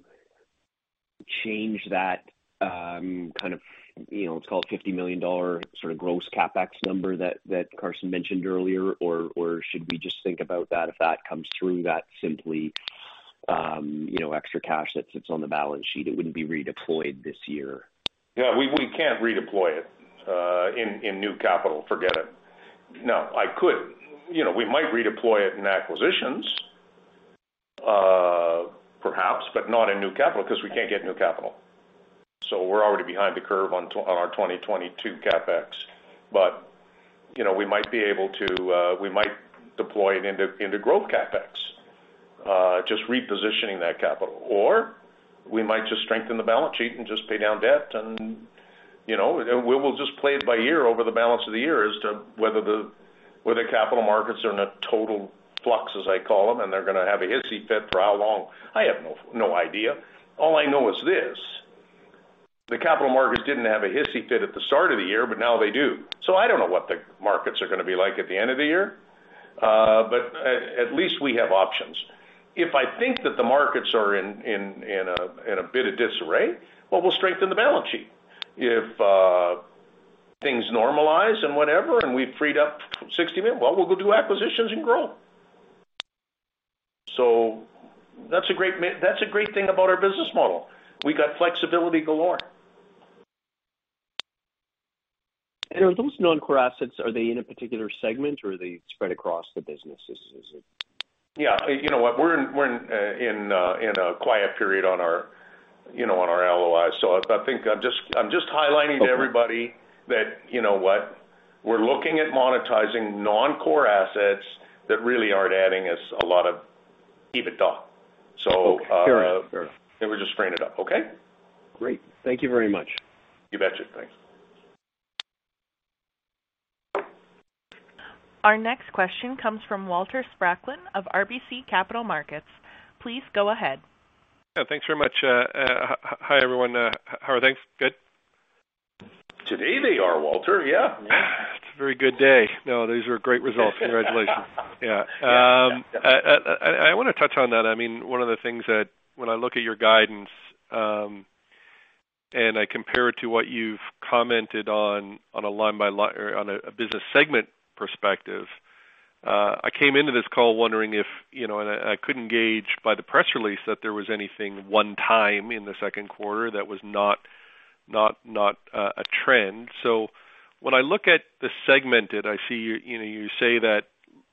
change that, kind of, you know, let's call it 50 million dollar sort of gross CapEx number that Carson mentioned earlier? Or should we just think about that if that comes through that simply, you know, extra cash that sits on the balance sheet, it wouldn't be redeployed this year. Yeah, we can't redeploy it in new capital. Forget it. No, I could. You know, we might redeploy it in acquisitions, perhaps, but not in new capital 'cause we can't get new capital. We're already behind the curve on our 2022 CapEx. You know, we might deploy it into growth CapEx, just repositioning that capital. We might just strengthen the balance sheet and just pay down debt. You know, we will just play it by ear over the balance of the year as to whether capital markets are in a total flux, as I call them, and they're gonna have a hissy fit for how long. I have no idea. All I know is this. The capital markets didn't have a hissy fit at the start of the year, but now they do. I don't know what the markets are gonna be like at the end of the year, but at least we have options. If I think that the markets are in a bit of disarray, well, we'll strengthen the balance sheet. If things normalize and whatever, and we've freed up 60 million, well, we'll go do acquisitions and grow. That's a great thing about our business model. We got flexibility galore. Are those non-core assets in a particular segment, or are they spread across the businesses? Yeah. You know what? We're in a quiet period on our, you know, on our LOI. So I think I'm just highlighting to everybody that you know what? We're looking at monetizing non-core assets that really aren't adding us a lot of EBITDA. Okay. Fair enough. We're just bringing it up. Okay? Great. Thank you very much. You betcha. Thanks. Our next question comes from Walter Spracklin of RBC Capital Markets. Please go ahead. Yeah, thanks very much. Hi, everyone. How are things? Good? Today they are, Walter. Yeah. It's a very good day. No, these are great results. Congratulations. Yeah. I wanna touch on that. I mean, one of the things that when I look at your guidance, and I compare it to what you've commented on a line by line or on a business segment perspective, I came into this call wondering if, you know, and I couldn't gauge by the press release that there was anything one time in the second quarter that was not a trend. When I look at the segmented, I see you know, you say that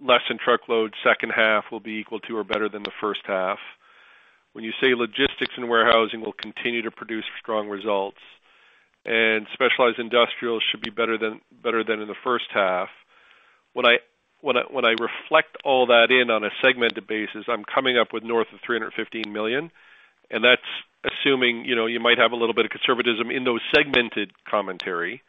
less than truckload second half will be equal to or better than the first half. When you say logistics and warehousing will continue to produce strong results and Specialized & Industrial should be better than in the first half. When I reflect all that into a segmented basis, I'm coming up with north of 315 million, and that's assuming, you know, you might have a little bit of conservatism in those segmented commentary,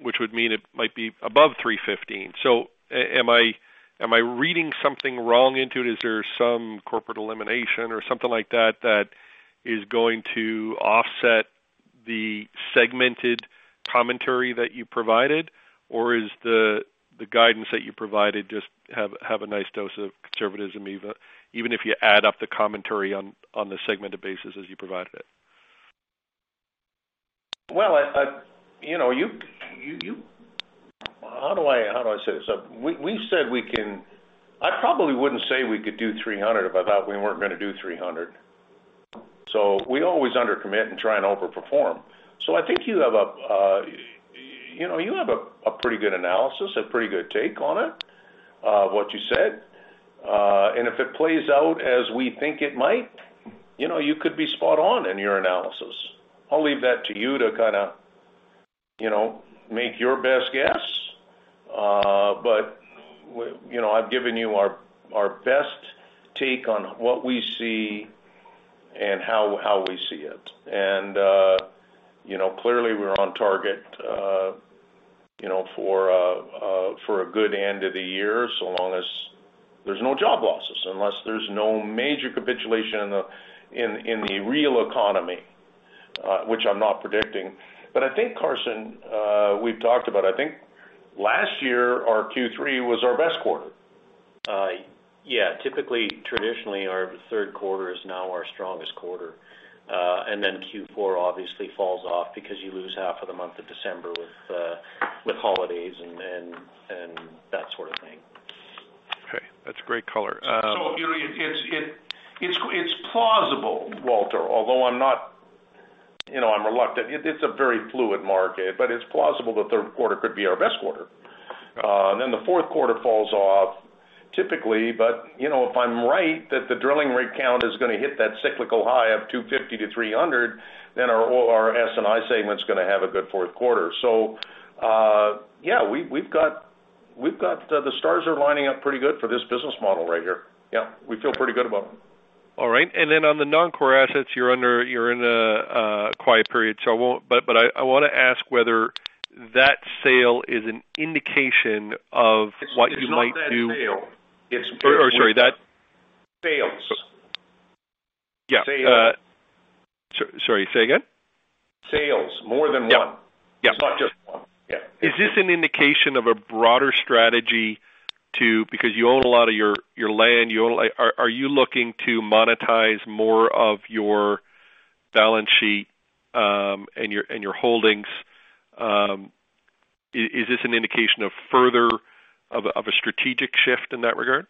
which would mean it might be above 315 million. Am I reading something wrong into it? Is there some corporate elimination or something like that that is going to offset the segmented commentary that you provided? Or is the guidance that you provided just have a nice dose of conservatism even if you add up the commentary on the segmented basis as you provided it? Well, you know, how do I say this? I probably wouldn't say we could do 300 if I thought we weren't gonna do 300. We always under commit and try and over perform. I think you have a pretty good analysis, a pretty good take on it, what you said. If it plays out as we think it might, you know, you could be spot on in your analysis. I'll leave that to you to kinda, you know, make your best guess. You know, I've given you our best take on what we see and how we see it. You know, clearly we're on target, you know, for a good end of the year, so long as there's no job losses, unless there's no major capitulation in the real economy, which I'm not predicting. I think, Carson, we've talked about, I think last year, our Q3 was our best quarter. Typically, traditionally, our third quarter is now our strongest quarter. Q4 obviously falls off because you lose half of the month of December with holidays and that sort of thing. Okay, that's great color. It's plausible, Walter, although I'm not, you know, I'm reluctant. It's a very fluid market, but it's plausible that third quarter could be our best quarter. Then the fourth quarter falls off typically, but, you know, if I'm right that the drilling rig count is gonna hit that cyclical high of 250-300, then our O&S and S&I segment is gonna have a good fourth quarter. Yeah, we've got. The stars are lining up pretty good for this business model right here. Yeah, we feel pretty good about them. All right. Then on the non-core assets, you're in a quiet period, so I won't, but I wanna ask whether that sale is an indication of what you might do. It's not that sale. Sorry. Sales. Yeah. Sales. Sorry, say again. Sales. More than one. Yeah. It's not just one. Yeah. Is this an indication of a broader strategy because you own a lot of your land? Are you looking to monetize more of your balance sheet and your holdings? Is this an indication of further of a strategic shift in that regard?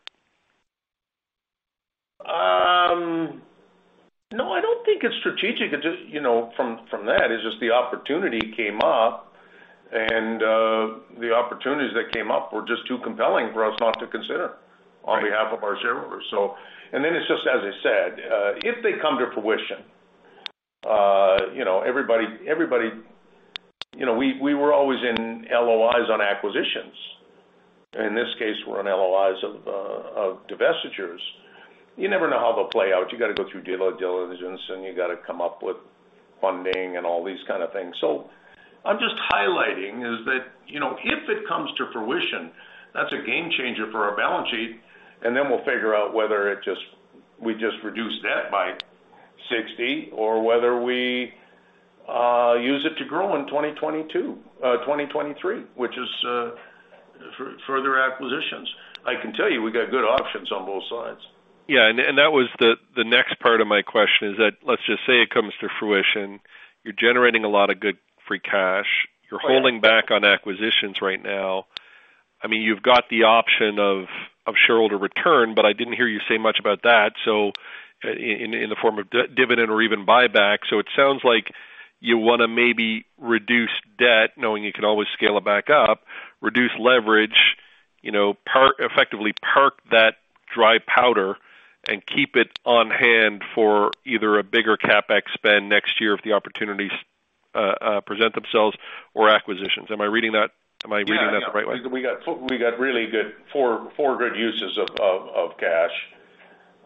No, I don't think it's strategic. It's just, you know, from that, it's just the opportunity came up and the opportunities that came up were just too compelling for us not to consider on behalf of our shareholders. It's just as I said, if they come to fruition, you know, everybody. You know, we were always in LOIs on acquisitions. In this case, we're in LOIs of divestitures. You never know how they'll play out. You gotta go through deal diligence and you gotta come up with funding and all these kind of things. I'm just highlighting is that, you know, if it comes to fruition, that's a game changer for our balance sheet, and then we'll figure out whether we just reduce debt by 60 or whether we use it to grow in 2022, 2023, which is further acquisitions. I can tell you, we got good options on both sides. Yeah, that was the next part of my question. Let's just say it comes to fruition. You're generating a lot of good free cash. You're holding back on acquisitions right now. I mean, you've got the option of shareholder return, but I didn't hear you say much about that, in the form of dividend or even buyback. It sounds like you wanna maybe reduce debt, knowing you can always scale it back up, reduce leverage. You know, park effectively that dry powder and keep it on hand for either a bigger CapEx spend next year if the opportunities present themselves or acquisitions. Am I reading that the right way? Yeah. We got really good four good uses of cash.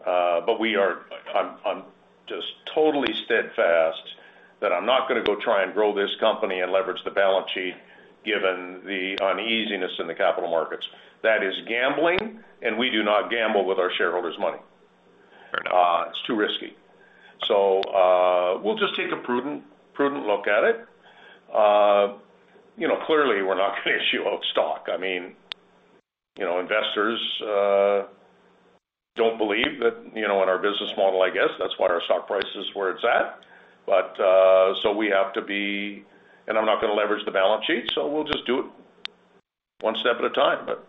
I'm just totally steadfast that I'm not gonna go try and grow this company and leverage the balance sheet given the uneasiness in the capital markets. That is gambling, and we do not gamble with our shareholders' money. Fair enough. It's too risky. We'll just take a prudent look at it. You know, clearly we're not gonna issue out stock. I mean, you know, investors don't believe that, you know, in our business model, I guess. That's why our stock price is where it's at. We have to be. I'm not gonna leverage the balance sheet, so we'll just do it one step at a time, but.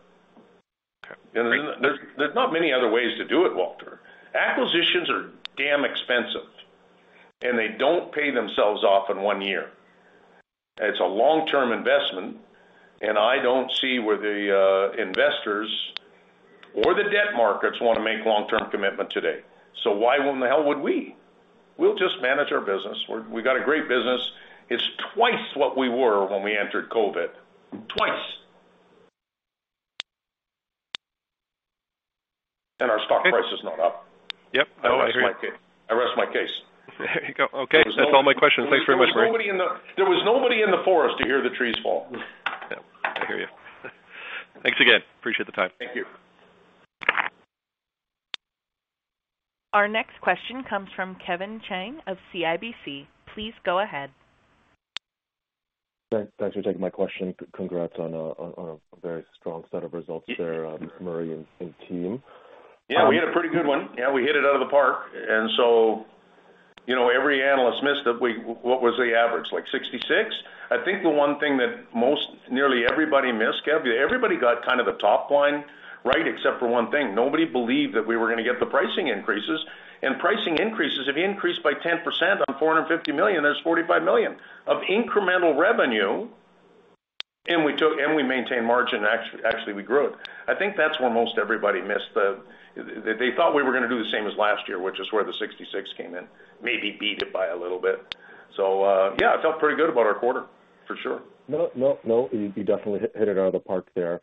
Okay. There's not many other ways to do it, Walter. Acquisitions are damn expensive, and they don't pay themselves off in one year. It's a long-term investment, and I don't see where the investors or the debt markets wanna make long-term commitment today. Why in the hell would we? We'll just manage our business. We got a great business. It's twice what we were when we entered COVID. Twice. Our stock price is not up. Yep. I agree. I rest my case. There you go. Okay. There was no- That's all my questions. Thanks very much, Murray. There was nobody in the forest to hear the trees fall. Yeah, I hear you. Thanks again. Appreciate the time. Thank you. Our next question comes from Kevin Chiang of CIBC. Please go ahead. Thanks. Thanks for taking my question. Congrats on a very strong set of results there, Murray and team. Yeah, we had a pretty good one. Yeah, we hit it out of the park. You know, every analyst missed it. What was the average, like 66? I think the one thing that most nearly everybody missed, Kevin, everybody got kind of the top line right except for one thing. Nobody believed that we were gonna get the pricing increases. Pricing increases, if you increase by 10% on 450 million, that's 45 million of incremental revenue, and we maintained margin. Actually, we grew it. I think that's where most everybody missed. They thought we were gonna do the same as last year, which is where the 66 came in, maybe beat it by a little bit. Yeah, I felt pretty good about our quarter, for sure. No, you definitely hit it out of the park there.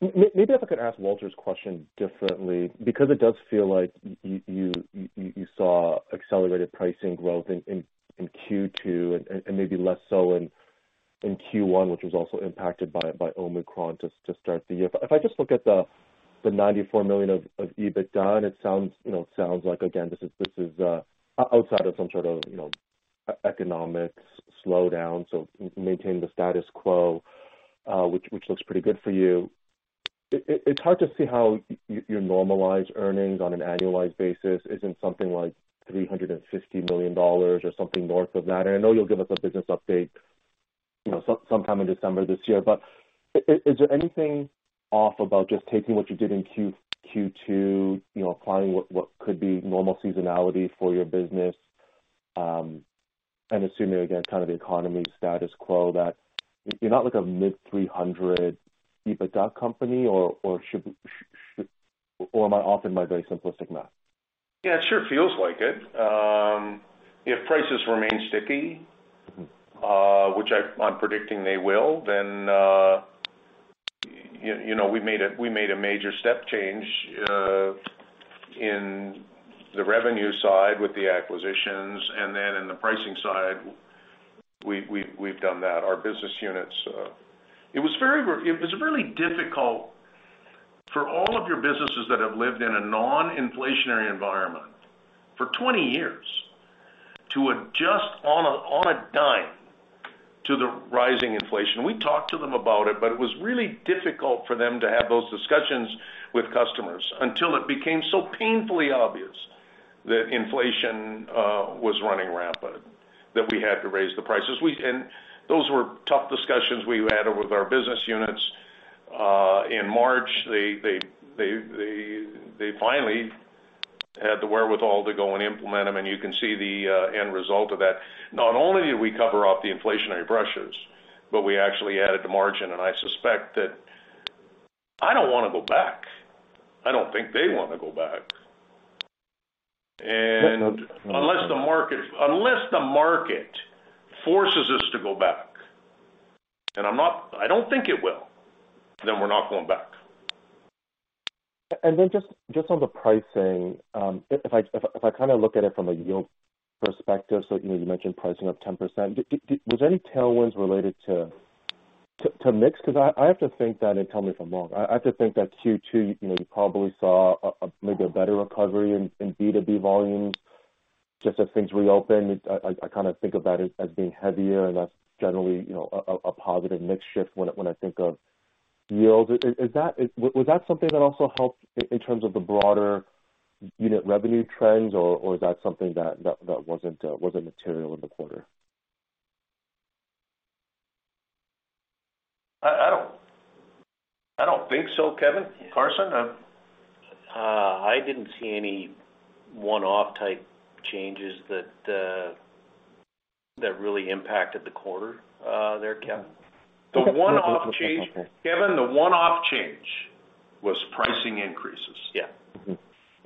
Maybe if I could ask Walter's question differently, because it does feel like you saw accelerated pricing growth in Q2, and maybe less so in Q1, which was also impacted by Omicron to start the year. If I just look at the 94 million of EBITDA, and it sounds like, again, this is outside of some sort of, you know, economic slowdown, so maintain the status quo, which looks pretty good for you. It's hard to see how your normalized earnings on an annualized basis isn't something like 350 million dollars or something north of that. I know you'll give us a business update, you know, sometime in December this year. Is there anything off about just taking what you did in Q2, you know, applying what could be normal seasonality for your business, and assuming, again, kind of the economy status quo that you're not like a mid-300 EBITDA company, or should. Or am I off in my very simplistic math? Yeah, it sure feels like it. If prices remain sticky- Mm-hmm. Which I'm predicting they will, then, you know, we made a major step change in the revenue side with the acquisitions, and then in the pricing side, we've done that. Our business units. It was really difficult for all of your businesses that have lived in a non-inflationary environment for 20 years to adjust on a dime to the rising inflation. We talked to them about it, but it was really difficult for them to have those discussions with customers until it became so painfully obvious that inflation was running rampant, that we had to raise the prices. Those were tough discussions we had with our business units. In March, they finally had the wherewithal to go and implement them, and you can see the end result of that. Not only did we cover up the inflationary pressures, but we actually added the margin, and I suspect that I don't wanna go back. I don't think they wanna go back. No, no. Unless the market forces us to go back, and I don't think it will, then we're not going back. Then just on the pricing, if I kind of look at it from a yield perspective, so you know, you mentioned pricing up 10%. Was there any tailwinds related to mix? Cause I have to think that, and tell me if I'm wrong. I have to think that Q2, you know, you probably saw a maybe better recovery in B2B volumes, just as things reopened. I kind of think about it as being heavier, and that's generally, you know, a positive mix shift when I think of yields. Is that something that also helped in terms of the broader unit revenue trends, or is that something that wasn't material in the quarter? I don't think so, Kevin. Carson? I didn't see any one-off type changes that really impacted the quarter, there, Kevin. Okay. The one-off change. Okay. Kevin, the one-off change was pricing increases. Yeah. Mm-hmm.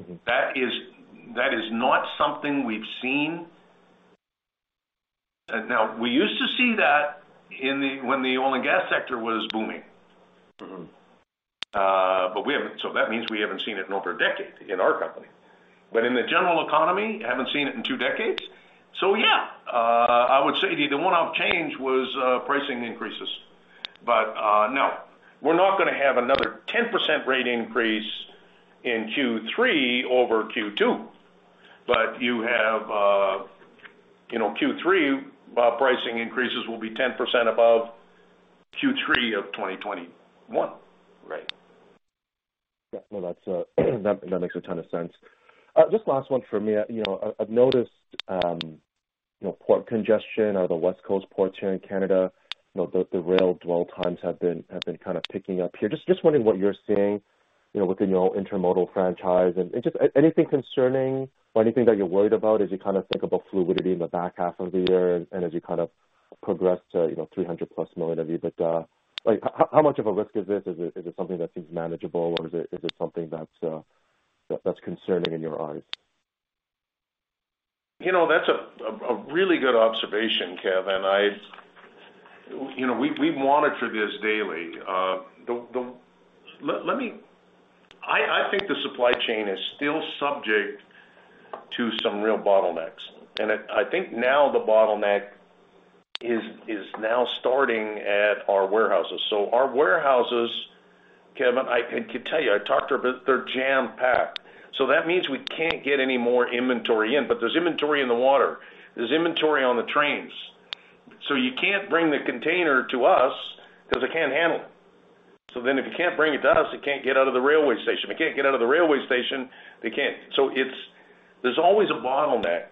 Mm-hmm. That is not something we've seen. Now we used to see that when the oil and gas sector was booming. Mm-hmm. That means we haven't seen it in over a decade in our company. In the general economy, haven't seen it in two decades. I would say the one-off change was pricing increases. No, we're not gonna have another 10% rate increase in Q3 over Q2. You have, you know, Q3 pricing increases will be 10% above Q3 of 2021. Right. Yeah. No, that makes a ton of sense. Just last one for me. You know, I've noticed, you know, port congestion out of the West Coast ports here in Canada. You know, the rail dwell times have been kind of ticking up here. Just wondering what you're seeing, you know, within your intermodal franchise. And just anything concerning or anything that you're worried about as you kind of think about fluidity in the back half of the year and as you kind of progress to, you know, 300+ million of EBITDA. Like how much of a risk is this? Is it something that seems manageable, or is it something that's concerning in your eyes? You know, that's a really good observation, Kevin. You know, we monitor this daily. I think the supply chain is still subject to some real bottlenecks. I think the bottleneck is now starting at our warehouses. Our warehouses, Kevin, I can tell you, I talked a bit, they're jam-packed. That means we can't get any more inventory in, but there's inventory in the water, there's inventory on the trains. You can't bring the container to us 'cause they can't handle it. If you can't bring it to us, it can't get out of the railway station. If it can't get out of the railway station, they can't. There's always a bottleneck.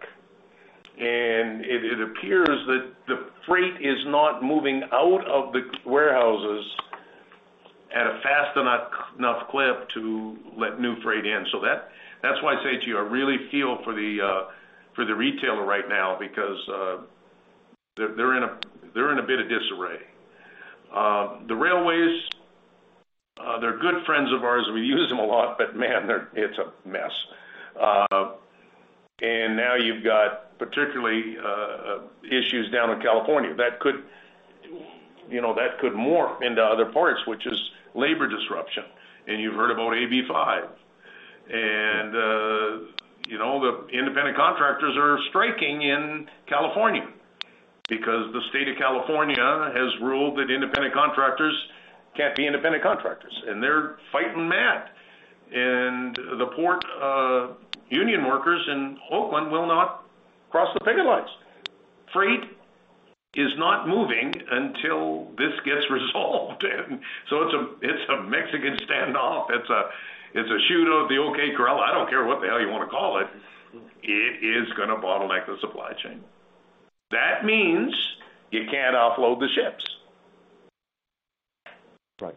It appears that the freight is not moving out of the warehouses at a fast enough clip to let new freight in. That's why I say to you, I really feel for the retailer right now because they're in a bit of disarray. The railways are good friends of ours, and we use them a lot, but man, it's a mess. Now you've got particular issues down in California that could morph into other parts, which is labor disruption. You've heard about AB5. The independent contractors are striking in California because the state of California has ruled that independent contractors can't be independent contractors, and they're fighting mad. The port union workers in Oakland will not cross the picket lines. Freight is not moving until this gets resolved. It's a Mexican standoff. It's a shootout at the OK Corral. I don't care what the hell you wanna call it. It is gonna bottleneck the supply chain. That means you can't offload the ships. Right.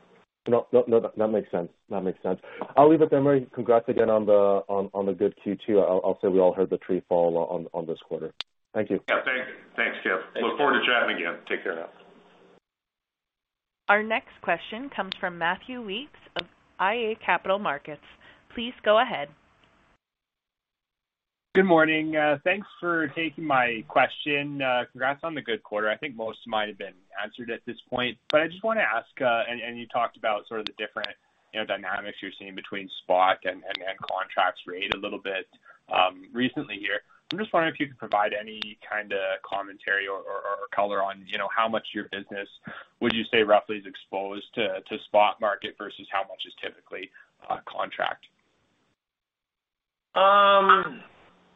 No, no, that makes sense. That makes sense. I'll leave it there, Murray. Congrats again on the good Q2. I'll say we all heard the tree fall on this quarter. Thank you. Yeah, thank you. Thanks, Kev. Thank you. Look forward to chatting again. Take care now. Our next question comes from Matthew Weekes of iA Capital Markets. Please go ahead. Good morning. Thanks for taking my question. Congrats on the good quarter. I think most might have been answered at this point. I just wanna ask, and you talked about sort of the different, you know, dynamics you're seeing between spot and then contract rates a little bit recently here. I'm just wondering if you could provide any kinda commentary or color on, you know, how much your business would you say roughly is exposed to spot market versus how much is typically contract?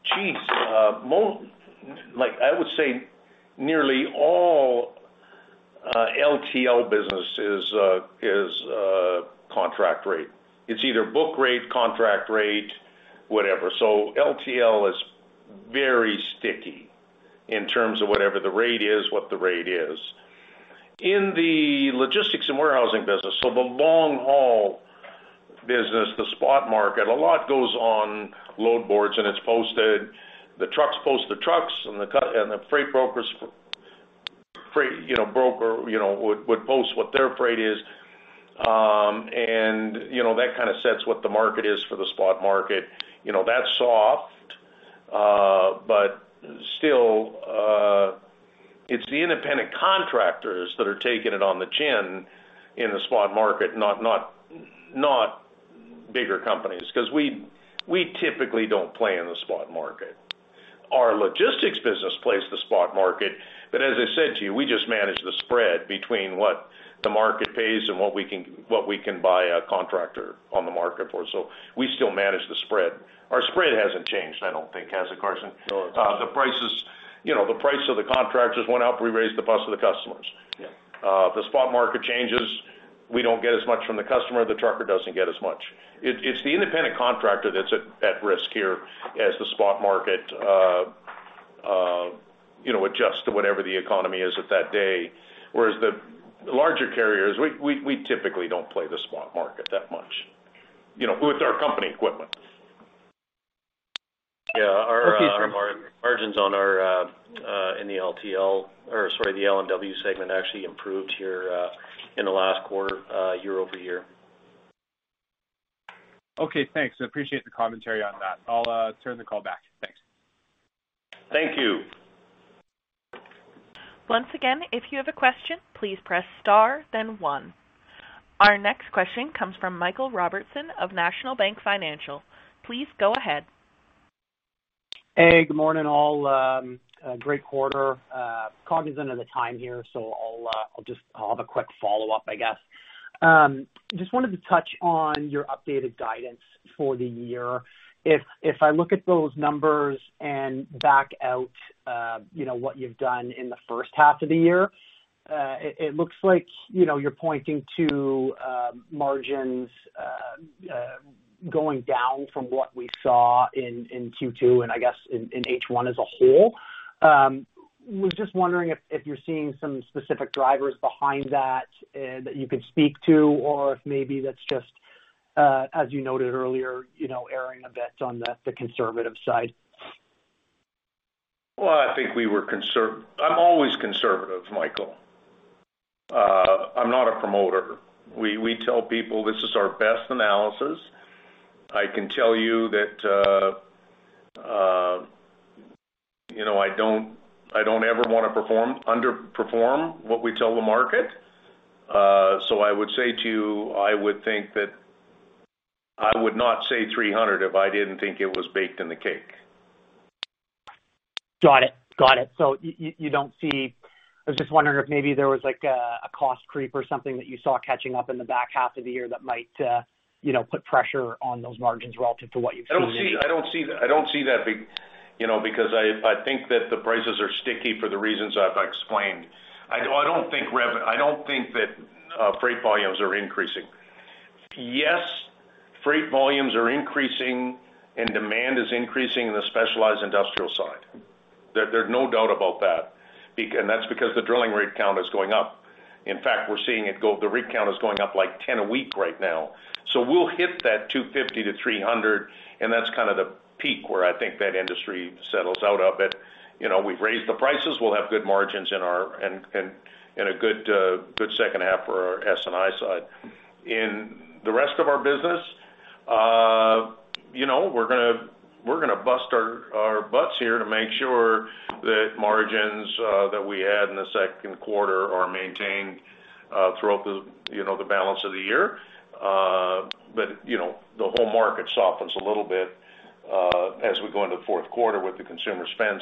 Geez. Like, I would say nearly all LTL business is contract rate. It's either book rate, contract rate, whatever. LTL is very sticky in terms of whatever the rate is, what the rate is. In the logistics and warehousing business, so the long-haul business, the spot market, a lot goes on load boards, and it's posted. The trucks post the trucks and the freight brokers, you know, broker, you know, would post what their freight is. You know, that kinda sets what the market is for the spot market. You know, that's soft. Still, it's the independent contractors that are taking it on the chin in the spot market, not bigger companies, 'cause we typically don't play in the spot market. Our logistics business plays the spot market, but as I said to you, we just manage the spread between what the market pays and what we can buy a contractor on the market for. We still manage the spread. Our spread hasn't changed, I don't think. Has it, Carson? No, it hasn't. The prices, you know, the price of the contractors went up, we raised the price of the customers. Yeah. If the spot market changes, we don't get as much from the customer, the trucker doesn't get as much. It's the independent contractor that's at risk here as the spot market, you know, adjusts to whatever the economy is at that day. Whereas the larger carriers, we typically don't play the spot market that much, you know, with our company equipment. Yeah. Okay. Margins in our L&W segment actually improved here in the last quarter year-over-year. Okay, thanks. I appreciate the commentary on that. I'll turn the call back. Thanks. Thank you. Once again, if you have a question, please press star then one. Our next question comes from Cameron Doerksen of National Bank Financial. Please go ahead. Hey, good morning, all. A great quarter. Cognizant of the time here, so I'll have a quick follow-up, I guess. Just wanted to touch on your updated guidance for the year. If I look at those numbers and back out what you've done in the first half of the year, it looks like you're pointing to margins going down from what we saw in Q2 and I guess in H1 as a whole. Was just wondering if you're seeing some specific drivers behind that that you could speak to or if maybe that's just, as you noted earlier, erring a bit on the conservative side. Well, I think I'm always conservative, Cameron. I'm not a promoter. We tell people this is our best analysis. I can tell you that, you know, I don't ever wanna underperform what we tell the market. I would say to you, I would think that I would not say 300 if I didn't think it was baked in the cake. Got it. You don't see. I was just wondering if maybe there was like a cost creep or something that you saw catching up in the back half of the year that might, you know, put pressure on those margins relative to what you've seen. I don't see that, you know, because I think that the prices are sticky for the reasons I've explained. I don't think that freight volumes are increasing. Yes, freight volumes are increasing, and demand is increasing in the specialized industrial side. There's no doubt about that. That's because the drilling rig count is going up. In fact, we're seeing it go. The rig count is going up like 10 a week right now. So we'll hit that 250-300, and that's kinda the peak where I think that industry settles out of it. You know, we've raised the prices. We'll have good margins and a good second half for our S&I side. In the rest of our business, you know, we're gonna bust our butts here to make sure that margins that we had in the second quarter are maintained throughout the, you know, the balance of the year. You know, the whole market softens a little bit as we go into the fourth quarter with the consumer spend.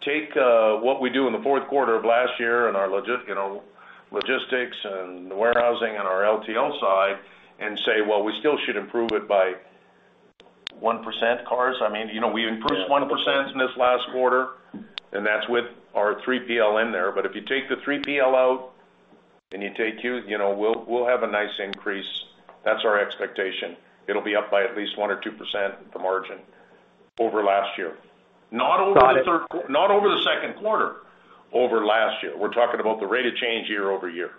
Take what we do in the fourth quarter of last year in our logistics and the warehousing and our LTL side and say, well, we still should improve it by 1%, Carson. I mean, you know, we improved 1% in this last quarter, and that's with our 3PL in there. If you take the 3PL out and you take Q, you know, we'll have a nice increase. That's our expectation. It'll be up by at least 1% or 2% the margin over last year. Got it. Not over the second quarter, over last year. We're talking about the rate of change year-over-year.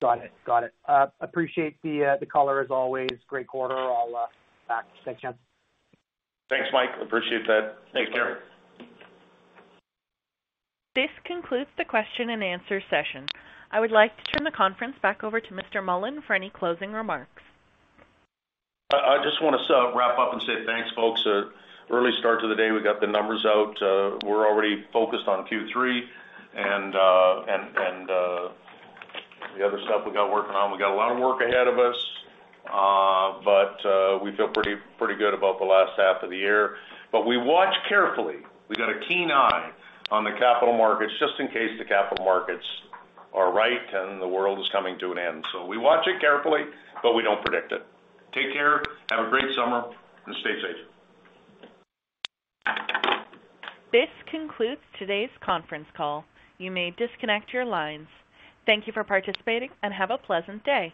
Got it. Appreciate the color as always. Great quarter. I'll back. Thanks again. Thanks, Mike. Appreciate that. Take care. This concludes the question and answer session. I would like to turn the conference back over to Mr. Mullen for any closing remarks. I just wanna sort of wrap up and say thanks, folks. Early start to the day, we got the numbers out. We're already focused on Q3, and the other stuff we got working on. We got a lot of work ahead of us, but we feel pretty good about the last half of the year. We watch carefully. We got a keen eye on the capital markets just in case the capital markets are right and the world is coming to an end. We watch it carefully, but we don't predict it. Take care. Have a great summer, and stay safe. This concludes today's conference call. You may disconnect your lines. Thank you for participating, and have a pleasant day.